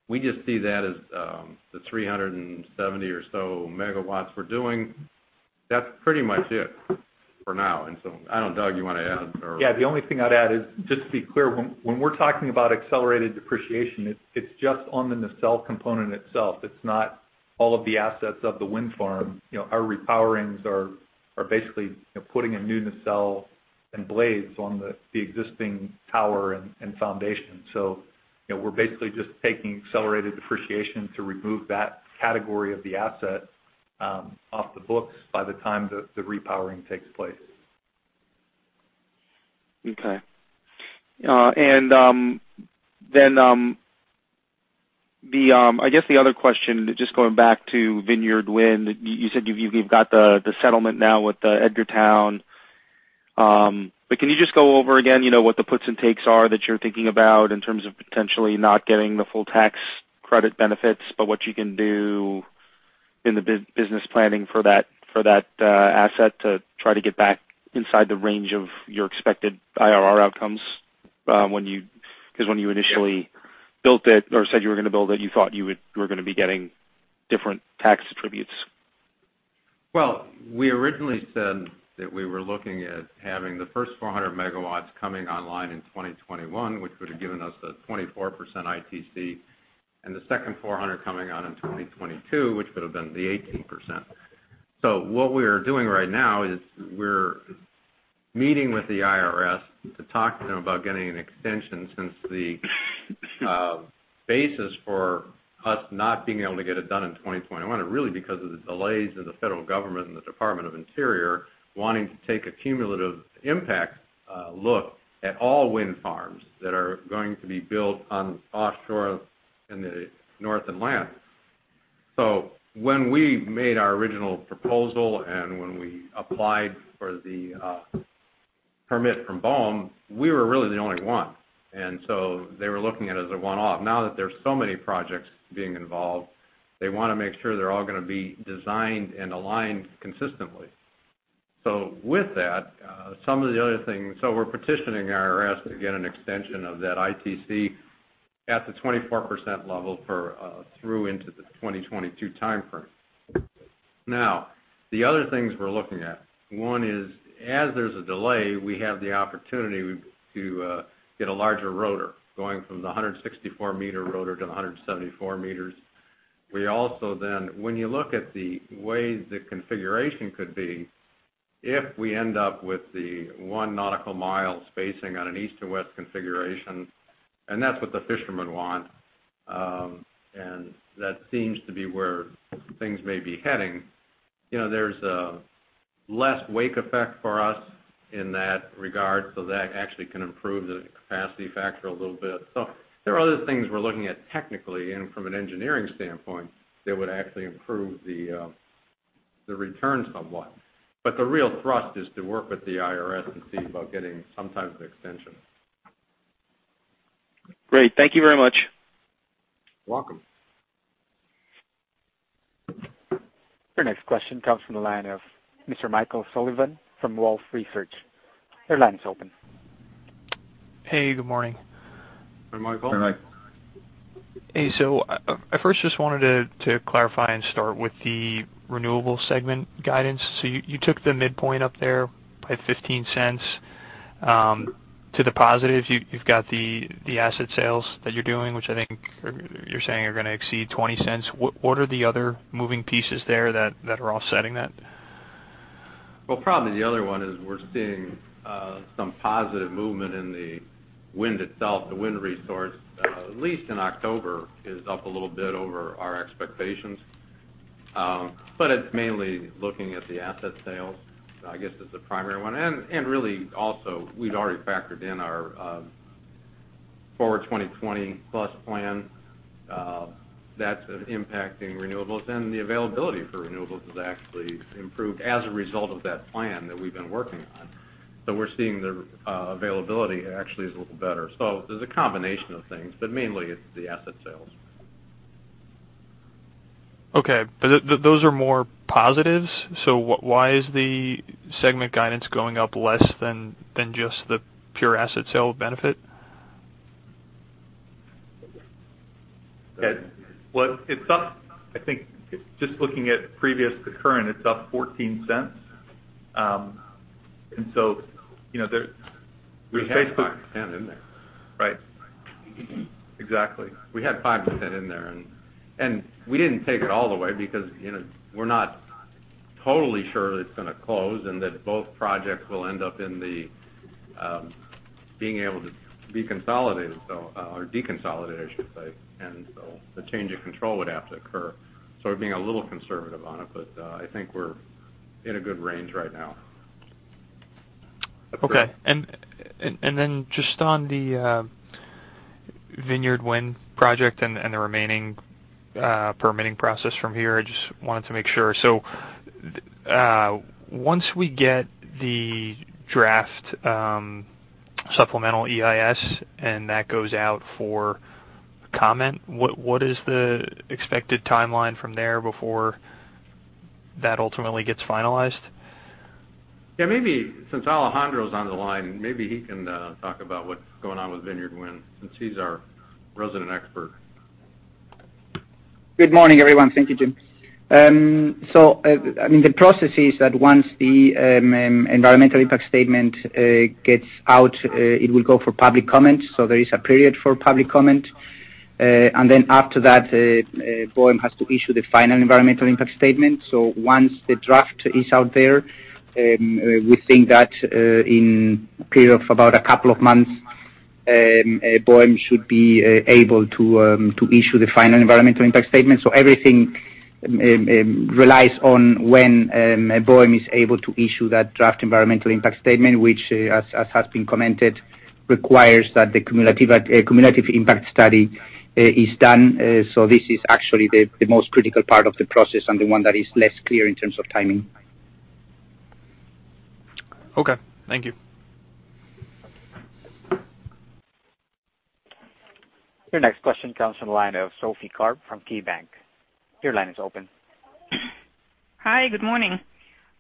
We just see that as the 370 or so MW we're doing. That's pretty much it for now. I don't know, Doug, you want to add or? The only thing I'd add is just to be clear, when we're talking about accelerated depreciation, it's just on the nacelle component itself. It's not all of the assets of the wind farm. Our repowerings are basically putting a new nacelle and blades on the existing tower and foundation. We're basically just taking accelerated depreciation to remove that category of the asset off the books by the time the repowering takes place. Okay. I guess the other question, just going back to Vineyard Wind, you said you've got the settlement now with Edgartown. Can you just go over again what the puts and takes are that you're thinking about in terms of potentially not getting the full tax credit benefits, but what you can do in the business planning for that asset to try to get back inside the range of your expected IRR outcomes? When you initially built it or said you were going to build it, you thought you were going to be getting different tax attributes. We originally said that we were looking at having the first 400 megawatts coming online in 2021, which would have given us the 24% ITC, and the second 400 coming on in 2022, which would have been the 18%. What we are doing right now is we're meeting with the IRS to talk to them about getting an extension, since the basis for us not being able to get it done in 2021, really because of the delays of the federal government and the Department of the Interior wanting to take a cumulative impact look at all wind farms that are going to be built on offshore in the North Atlantic. When we made our original proposal, and when we applied for the permit from BOEM, we were really the only one. They were looking at it as a one-off. That there's so many projects being involved, they want to make sure they're all going to be designed and aligned consistently. With that, some of the other things, so we're petitioning IRS to get an extension of that ITC at the 24% level through into the 2022 timeframe. The other things we're looking at, one is, as there's a delay, we have the opportunity to get a larger rotor, going from the 164-meter rotor to 174 meters. We also then, when you look at the way the configuration could be, if we end up with the one nautical mile spacing on an east to west configuration, and that's what the fishermen want, and that seems to be where things may be heading. There's less wake effect for us in that regard, so that actually can improve the capacity factor a little bit. There are other things we're looking at technically and from an engineering standpoint that would actually improve the returns somewhat. The real thrust is to work with the IRS and see about getting some type of extension. Great. Thank you very much. You're welcome. Your next question comes from the line of Mr. Michael Sullivan from Wolfe Research. Your line is open. Hey, good morning. Hey, Michael. Hey, Mike. Hey, I first just wanted to clarify and start with the renewable segment guidance. You took the midpoint up there by $0.15. To the positive, you've got the asset sales that you're doing, which I think you're saying are going to exceed $0.20. What are the other moving pieces there that are offsetting that? Well, probably the other one is we're seeing some positive movement in the wind itself. The wind resource, at least in October, is up a little bit over our expectations. It's mainly looking at the asset sales, I guess, is the primary one. Really, also, we'd already factored in our Forward 2020 Plus plan. That's impacting renewables, and the availability for renewables has actually improved as a result of that plan that we've been working on. We're seeing the availability actually is a little better. There's a combination of things, mainly it's the asset sales. Okay. Those are more positives? Why is the segment guidance going up less than just the pure asset sale benefit? Well, it's up, I think, just looking at previous to current, it's up $0.14. We basically understand in there. Right. Exactly. We had 5% in there, and we didn't take it all the way because we're not totally sure that it's going to close and that both projects will end up in the, being able to be consolidated or deconsolidated, I should say. The change in control would have to occur. We're being a little conservative on it, but I think we're in a good range right now. Okay. Then just on the Vineyard Wind project and the remaining permitting process from here, I just wanted to make sure. Once we get the draft supplemental EIS, and that goes out for comment, what is the expected timeline from there before that ultimately gets finalized? Yeah, maybe since Alejandro's on the line, maybe he can talk about what's going on with Vineyard Wind, since he's our resident expert. Good morning, everyone. Thank you, Jim. the process is that once the environmental impact statement gets out, it will go for public comment. there is a period for public comment. after that, BOEM has to issue the final environmental impact statement. once the draft is out there, we think that in a period of about a couple of months, BOEM should be able to issue the final environmental impact statement. everything relies on when BOEM is able to issue that draft environmental impact statement, which, as has been commented, requires that the cumulative impact study is done. this is actually the most critical part of the process and the one that is less clear in terms of timing. Okay. Thank you. Your next question comes from the line of Sophie Karp from KeyBanc Capital Markets. Your line is open. Hi. Good morning.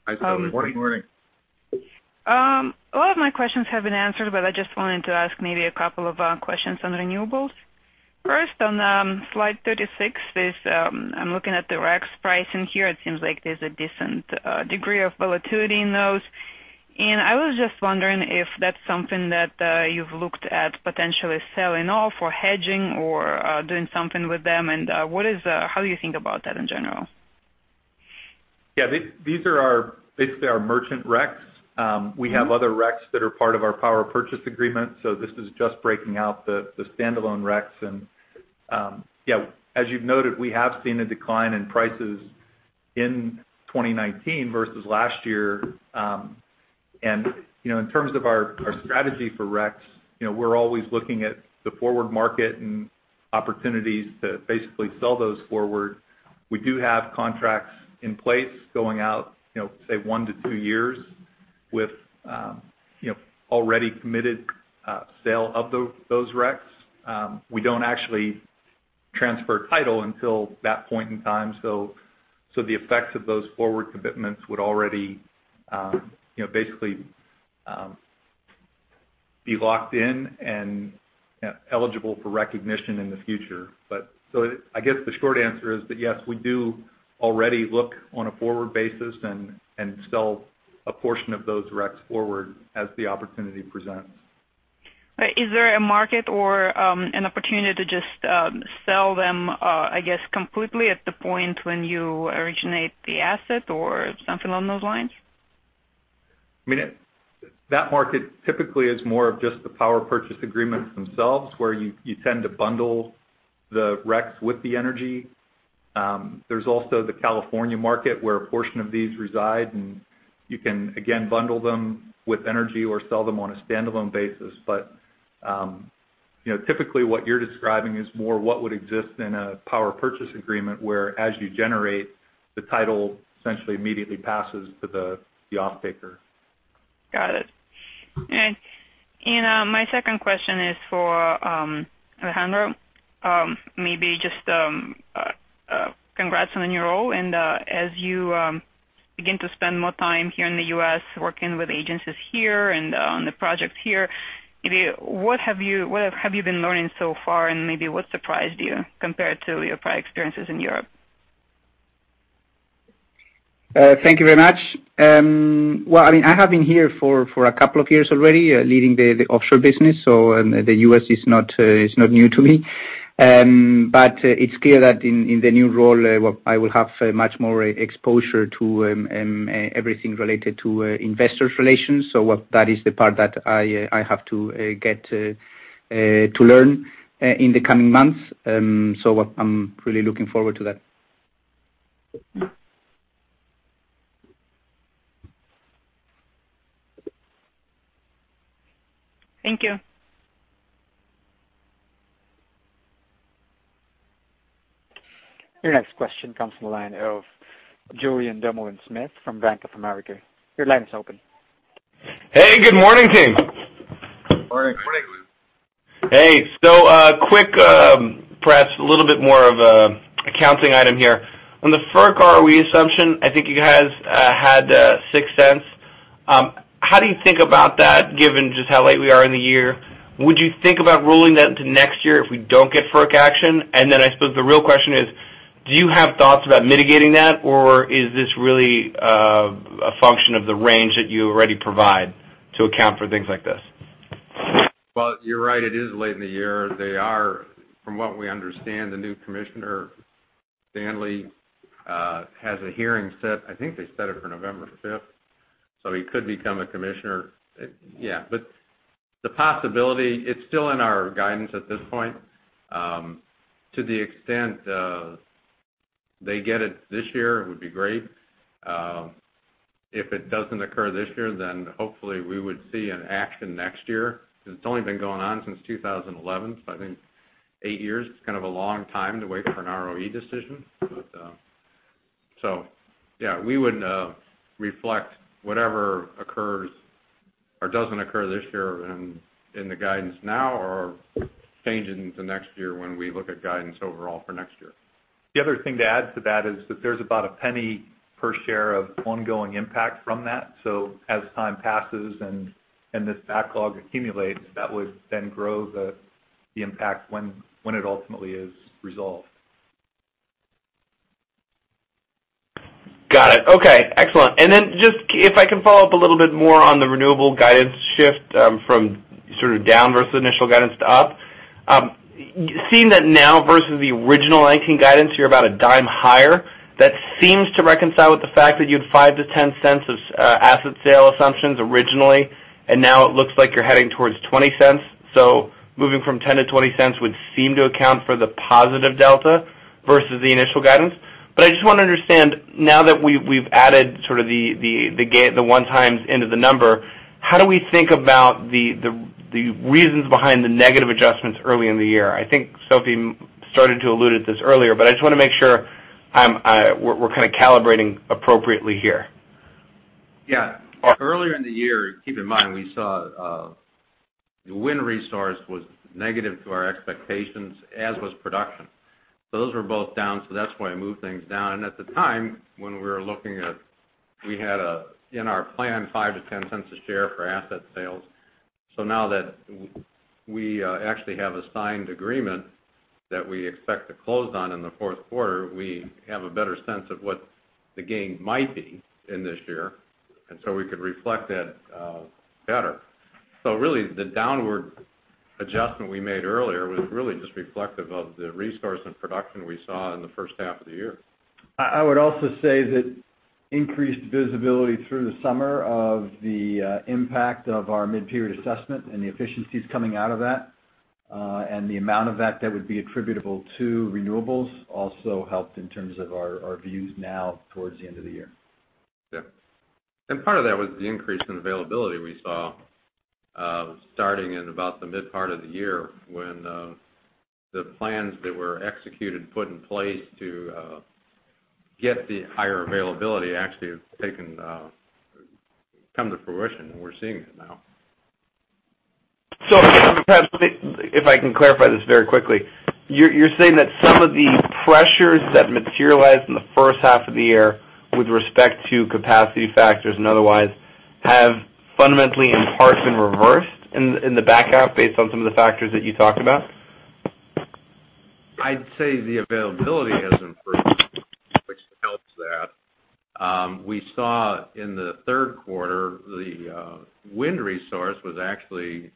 Hi, Sophie. Good morning. A lot of my questions have been answered, but I just wanted to ask maybe a couple of questions on renewables. First, on slide thirty-six, I'm looking at the RECs pricing here. It seems like there's a decent degree of volatility in those. I was just wondering if that's something that you've looked at potentially selling off or hedging or doing something with them, and how do you think about that in general? Yeah. These are basically our merchant RECs. We have other RECs that are part of our power purchase agreement. This is just breaking out the standalone RECs. Yeah, as you've noted, we have seen a decline in prices in 2019 versus last year. In terms of our strategy for RECs, we're always looking at the forward market and opportunities to basically sell those forward. We do have contracts in place going out, say one to two years with already committed sale of those RECs. We don't actually transfer title until that point in time. The effects of those forward commitments would already basically be locked in and eligible for recognition in the future. I guess the short answer is that yes, we do already look on a forward basis and sell a portion of those RECs forward as the opportunity presents. Is there a market or an opportunity to just sell them, I guess, completely at the point when you originate the asset or something along those lines? That market typically is more of just the power purchase agreements themselves, where you tend to bundle the RECs with the energy. There's also the California market, where a portion of these reside, and you can, again, bundle them with energy or sell them on a standalone basis. Typically what you're describing is more what would exist in a power purchase agreement, where as you generate, the title essentially immediately passes to the off-taker. Got it. My second question is for Alejandro. Maybe just congrats on the new role, and as you begin to spend more time here in the U.S., working with agencies here and on the projects here, maybe what have you been learning so far, and maybe what surprised you compared to your prior experiences in Europe? Thank you very much. Well, I have been here for a couple of years already leading the offshore business. The U.S. is not new to me. It's clear that in the new role, I will have much more exposure to everything related to investor relations. That is the part that I have to get to learn in the coming months. I'm really looking forward to that. Thank you. Your next question comes from the line of Julien Dumoulin-Smith from Bank of America. Your line is open. Hey, good morning, team. Morning. Hey. Quick, perhaps a little bit more of an accounting item here. On the FERC ROE assumption, I think you guys had $0.06. How do you think about that, given just how late we are in the year? Would you think about rolling that into next year if we don't get FERC action? Then I suppose the real question is: Do you have thoughts about mitigating that, or is this really a function of the range that you already provide to account for things like this? Well, you're right. It is late in the year. From what we understand, the new Commissioner Stanley has a hearing set, I think they set it for November 5th. He could become a commissioner. Yeah. The possibility, it's still in our guidance at this point. To the extent they get it this year, it would be great. If it doesn't occur this year, then hopefully we would see an action next year. Because it's only been going on since 2011, so I think eight years is kind of a long time to wait for an ROE decision. Yeah, we would reflect whatever occurs or doesn't occur this year in the guidance now or change it into next year when we look at guidance overall for next year. The other thing to add to that is that there's about a penny per share of ongoing impact from that. As time passes and this backlog accumulates, that would then grow the impact when it ultimately is resolved. Got it. Okay, excellent. If I can follow up a little bit more on the renewable guidance shift from down versus initial guidance to up. Seeing that now versus the original '19 guidance, you're about $0.10 higher. That seems to reconcile with the fact that you had $0.05-$0.10 of asset sale assumptions originally, and now it looks like you're heading towards $0.20. Moving from $0.10 to $0.20 would seem to account for the positive delta versus the initial guidance. I just want to understand, now that we've added the one times into the number, how do we think about the reasons behind the negative adjustments early in the year? I think Sophie started to allude at this earlier, but I just want to make sure we're kind of calibrating appropriately here. Yeah. Earlier in the year, keep in mind, we saw the wind resource was negative to our expectations, as was production. Those were both down, that's why I moved things down. At the time when we were looking at, we had in our plan $0.05-$0.10 a share for asset sales. Now that we actually have a signed agreement that we expect to close on in the fourth quarter, we have a better sense of what the gain might be in this year, and so we could reflect that better. Really, the downward adjustment we made earlier was really just reflective of the resource and production we saw in the first half of the year. I would also say that increased visibility through the summer of the impact of our mid-period assessment and the efficiencies coming out of that, and the amount of that would be attributable to renewables, also helped in terms of our views now towards the end of the year. Yeah. part of that was the increase in availability we saw, starting in about the mid part of the year when, the plans that were executed, put in place to get the higher availability actually have come to fruition, and we're seeing it now. perhaps if I can clarify this very quickly. You're saying that some of the pressures that materialized in the first half of the year with respect to capacity factors and otherwise have fundamentally in part been reversed in the back half based on some of the factors that you talked about? I'd say the availability has improved, which helps that. We saw in the third quarter, the wind resource was actually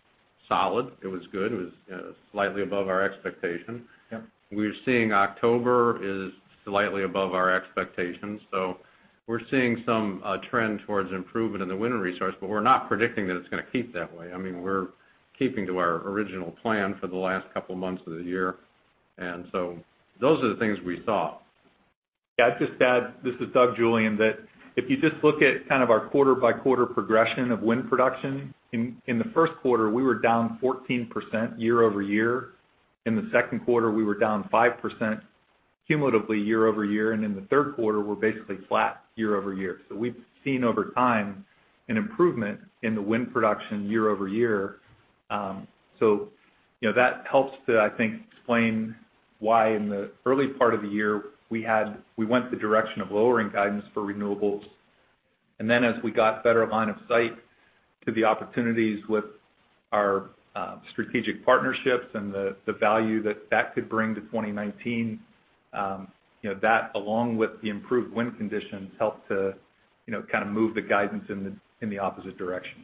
solid. It was good. It was slightly above our expectation. Yep. We're seeing October is slightly above our expectations. We're seeing some trend towards improvement in the wind resource, but we're not predicting that it's going to keep that way. We're keeping to our original plan for the last couple of months of the year. Those are the things we saw. Yeah. I'd just add, this is Doug Stuver, that if you just look at kind of our quarter-by-quarter progression of wind production. In the first quarter, we were down 14% year-over-year. In the second quarter, we were down 5% cumulatively year-over-year. In the third quarter, we're basically flat year-over-year. We've seen over time an improvement in the wind production year-over-year. That helps to, I think, explain why in the early part of the year, we went the direction of lowering guidance for renewables. as we got better line of sight to the opportunities with our strategic partnerships and the value that that could bring to 2019, that along with the improved wind conditions helped to kind of move the guidance in the opposite direction.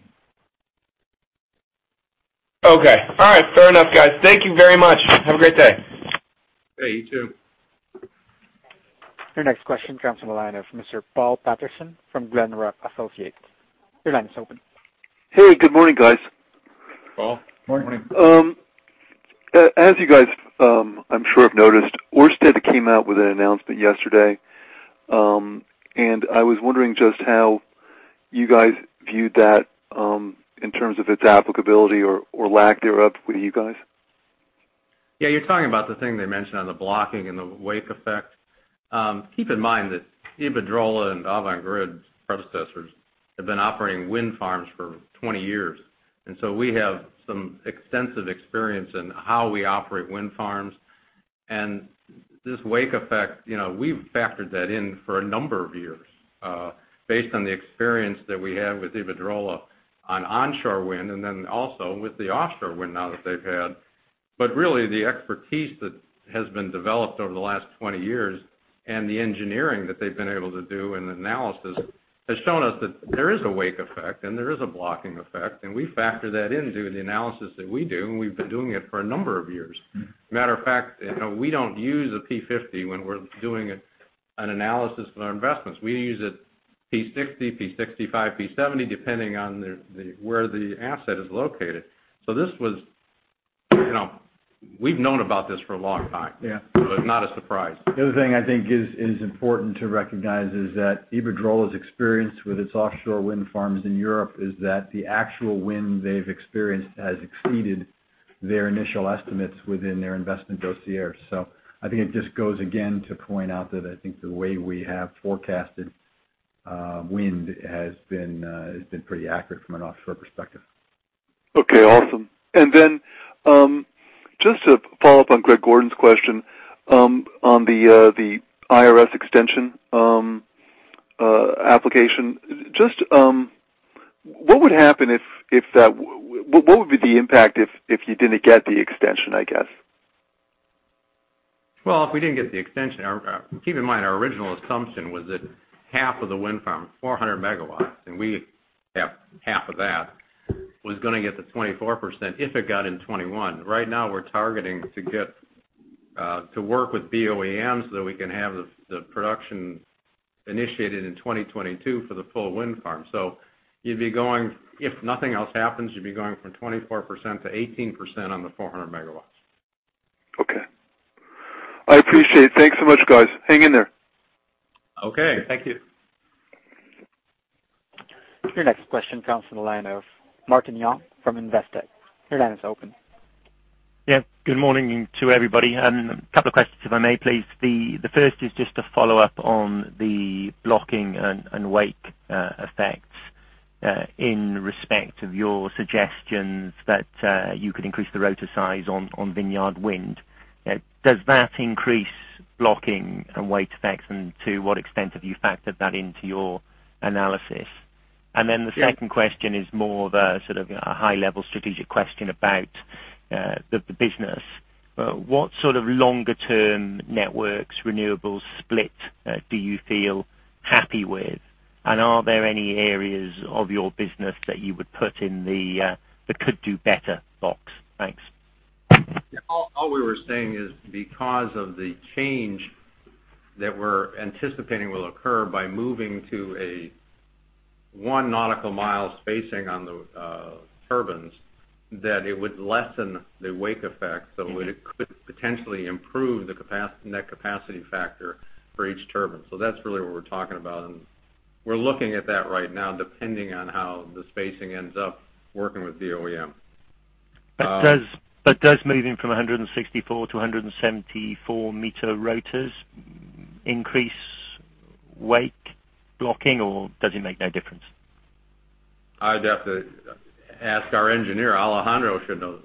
Okay. All right. Fair enough, guys. Thank you very much. Have a great day. Hey, you too. Your next question comes from the line of Mr. Paul Patterson from Glenrock Associates. Your line is open. Hey, good morning, guys. Paul. Morning. Morning. As you guys I'm sure have noticed, Ørsted came out with an announcement yesterday. I was wondering just how you guys viewed that, in terms of its applicability or lack thereof with you guys. Yeah, you're talking about the thing they mentioned on the blocking and the wake effect. Keep in mind that Iberdrola and Avangrid's predecessors have been operating wind farms for 20 years. We have some extensive experience in how we operate wind farms. This wake effect, we've factored that in for a number of years based on the experience that we have with Iberdrola on onshore wind, and then also with the offshore wind now that they've had. Really, the expertise that has been developed over the last 20 years and the engineering that they've been able to do, and analysis, has shown us that there is a wake effect and there is a blocking effect, and we factor that into the analysis that we do, and we've been doing it for a number of years. Matter of fact, we don't use a P50 when we're doing an analysis of our investments. We use a P60, P65, P70, depending on where the asset is located. We've known about this for a long time. Yeah. It's not a surprise. The other thing I think is important to recognize is that Iberdrola's experience with its offshore wind farms in Europe is that the actual wind they've experienced has exceeded their initial estimates within their investment dossier. I think it just goes, again, to point out that I think the way we have forecasted wind has been pretty accurate from an offshore perspective. Okay, awesome. Just to follow up on Greg Gordon's question on the IRS extension application, what would be the impact if you didn't get the extension, I guess? Well, if we didn't get the extension, keep in mind, our original assumption was that half of the wind farm, 400 MW, and we have half of that, was going to get to 24% if it got in 2021. Right now, we're targeting to work with BOEM, so that we can have the production initiated in 2022 for the full wind farm. If nothing else happens, you'd be going from 24% to 18% on the 400 MW. Okay. I appreciate it. Thanks so much, guys. Hang in there. Okay. Thank you. Your next question comes from the line of Martin Young from Investec. Your line is open. Yeah. Good morning to everybody. A couple of questions, if I may, please. The first is just a follow-up on the blocking and wake effects, in respect of your suggestions that you could increase the rotor size on Vineyard Wind. Does that increase blocking and wake effects? To what extent have you factored that into your analysis? The second question is more of a sort of a high-level strategic question about the business. What sort of longer-term networks renewables split do you feel happy with? Are there any areas of your business that you would put in the could do better box? Thanks. All we were saying is because of the change that we're anticipating will occur by moving to a one nautical mile spacing on the turbines, that it would lessen the wake effect, so it could potentially improve the net capacity factor for each turbine. That's really what we're talking about, and we're looking at that right now, depending on how the spacing ends up working with the OEM. does moving from 164 to 174-meter rotors increase wake blocking, or does it make no difference? I'd have to ask our engineer. Alejandro should know.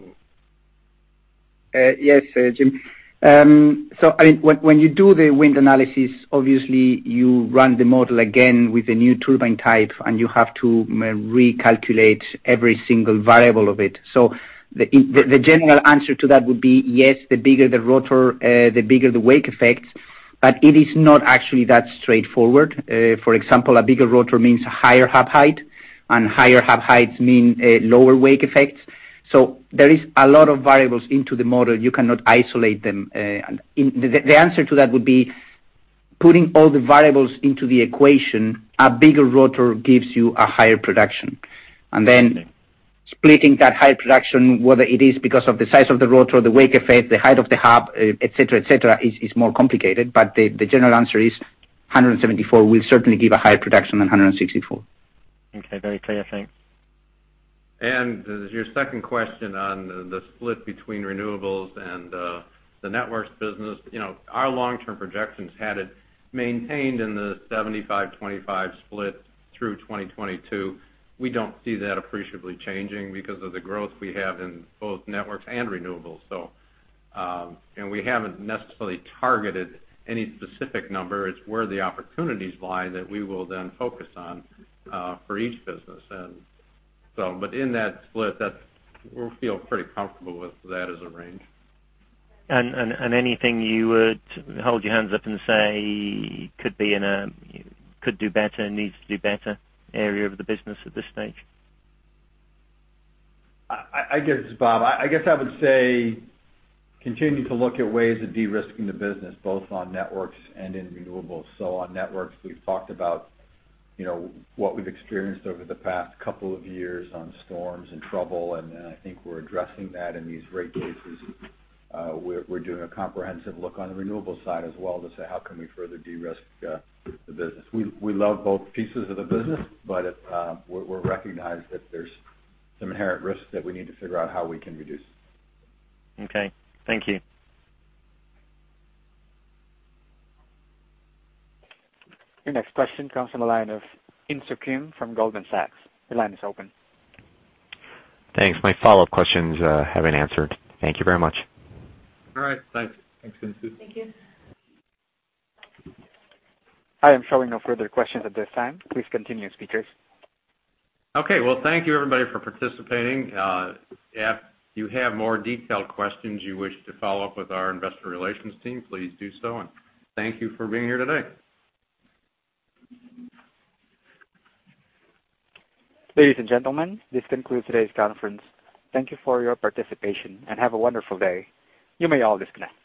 Yes, Jim. when you do the wind analysis, obviously you run the model again with the new turbine type, and you have to recalculate every single variable of it. the general answer to that would be yes, the bigger the rotor, the bigger the wake effect. it is not actually that straightforward. For example, a bigger rotor means a higher hub height, and higher hub heights mean lower wake effects. there is a lot of variables into the model. You cannot isolate them. The answer to that would be, putting all the variables into the equation, a bigger rotor gives you a higher production. then splitting that higher production, whether it is because of the size of the rotor or the wake effect, the height of the hub, et cetera, is more complicated. The general answer is 174 will certainly give a higher production than 164. Okay, very clear. Thanks. Your second question on the split between renewables and the networks business. Our long-term projections had it maintained in the 75/25 split through 2022. We don't see that appreciably changing because of the growth we have in both networks and renewables. We haven't necessarily targeted any specific number. It's where the opportunities lie that we will then focus on for each business. In that split, we feel pretty comfortable with that as a range. anything you would hold your hands up and say could do better, needs to do better area of the business at this stage? This is Bob. I guess I would say, continue to look at ways of de-risking the business, both on networks and in renewables. On networks, we've talked about what we've experienced over the past couple of years on storms and trouble, and I think we're addressing that in these rate cases. We're doing a comprehensive look on the renewables side as well to say, how can we further de-risk the business? We love both pieces of the business, but we recognize that there's some inherent risks that we need to figure out how we can reduce. Okay. Thank you. Your next question comes from the line of Insoo Kim from Goldman Sachs. Your line is open. Thanks. My follow-up questions have been answered. Thank you very much. All right, thanks. Thanks, InSoo. Thank you. I am showing no further questions at this time. Please continue, speakers. Okay. Well, thank you everybody for participating. If you have more detailed questions you wish to follow up with our investor relations team, please do so, and thank you for being here today. Ladies and gentlemen, this concludes today's conference. Thank you for your participation, and have a wonderful day. You may all disconnect.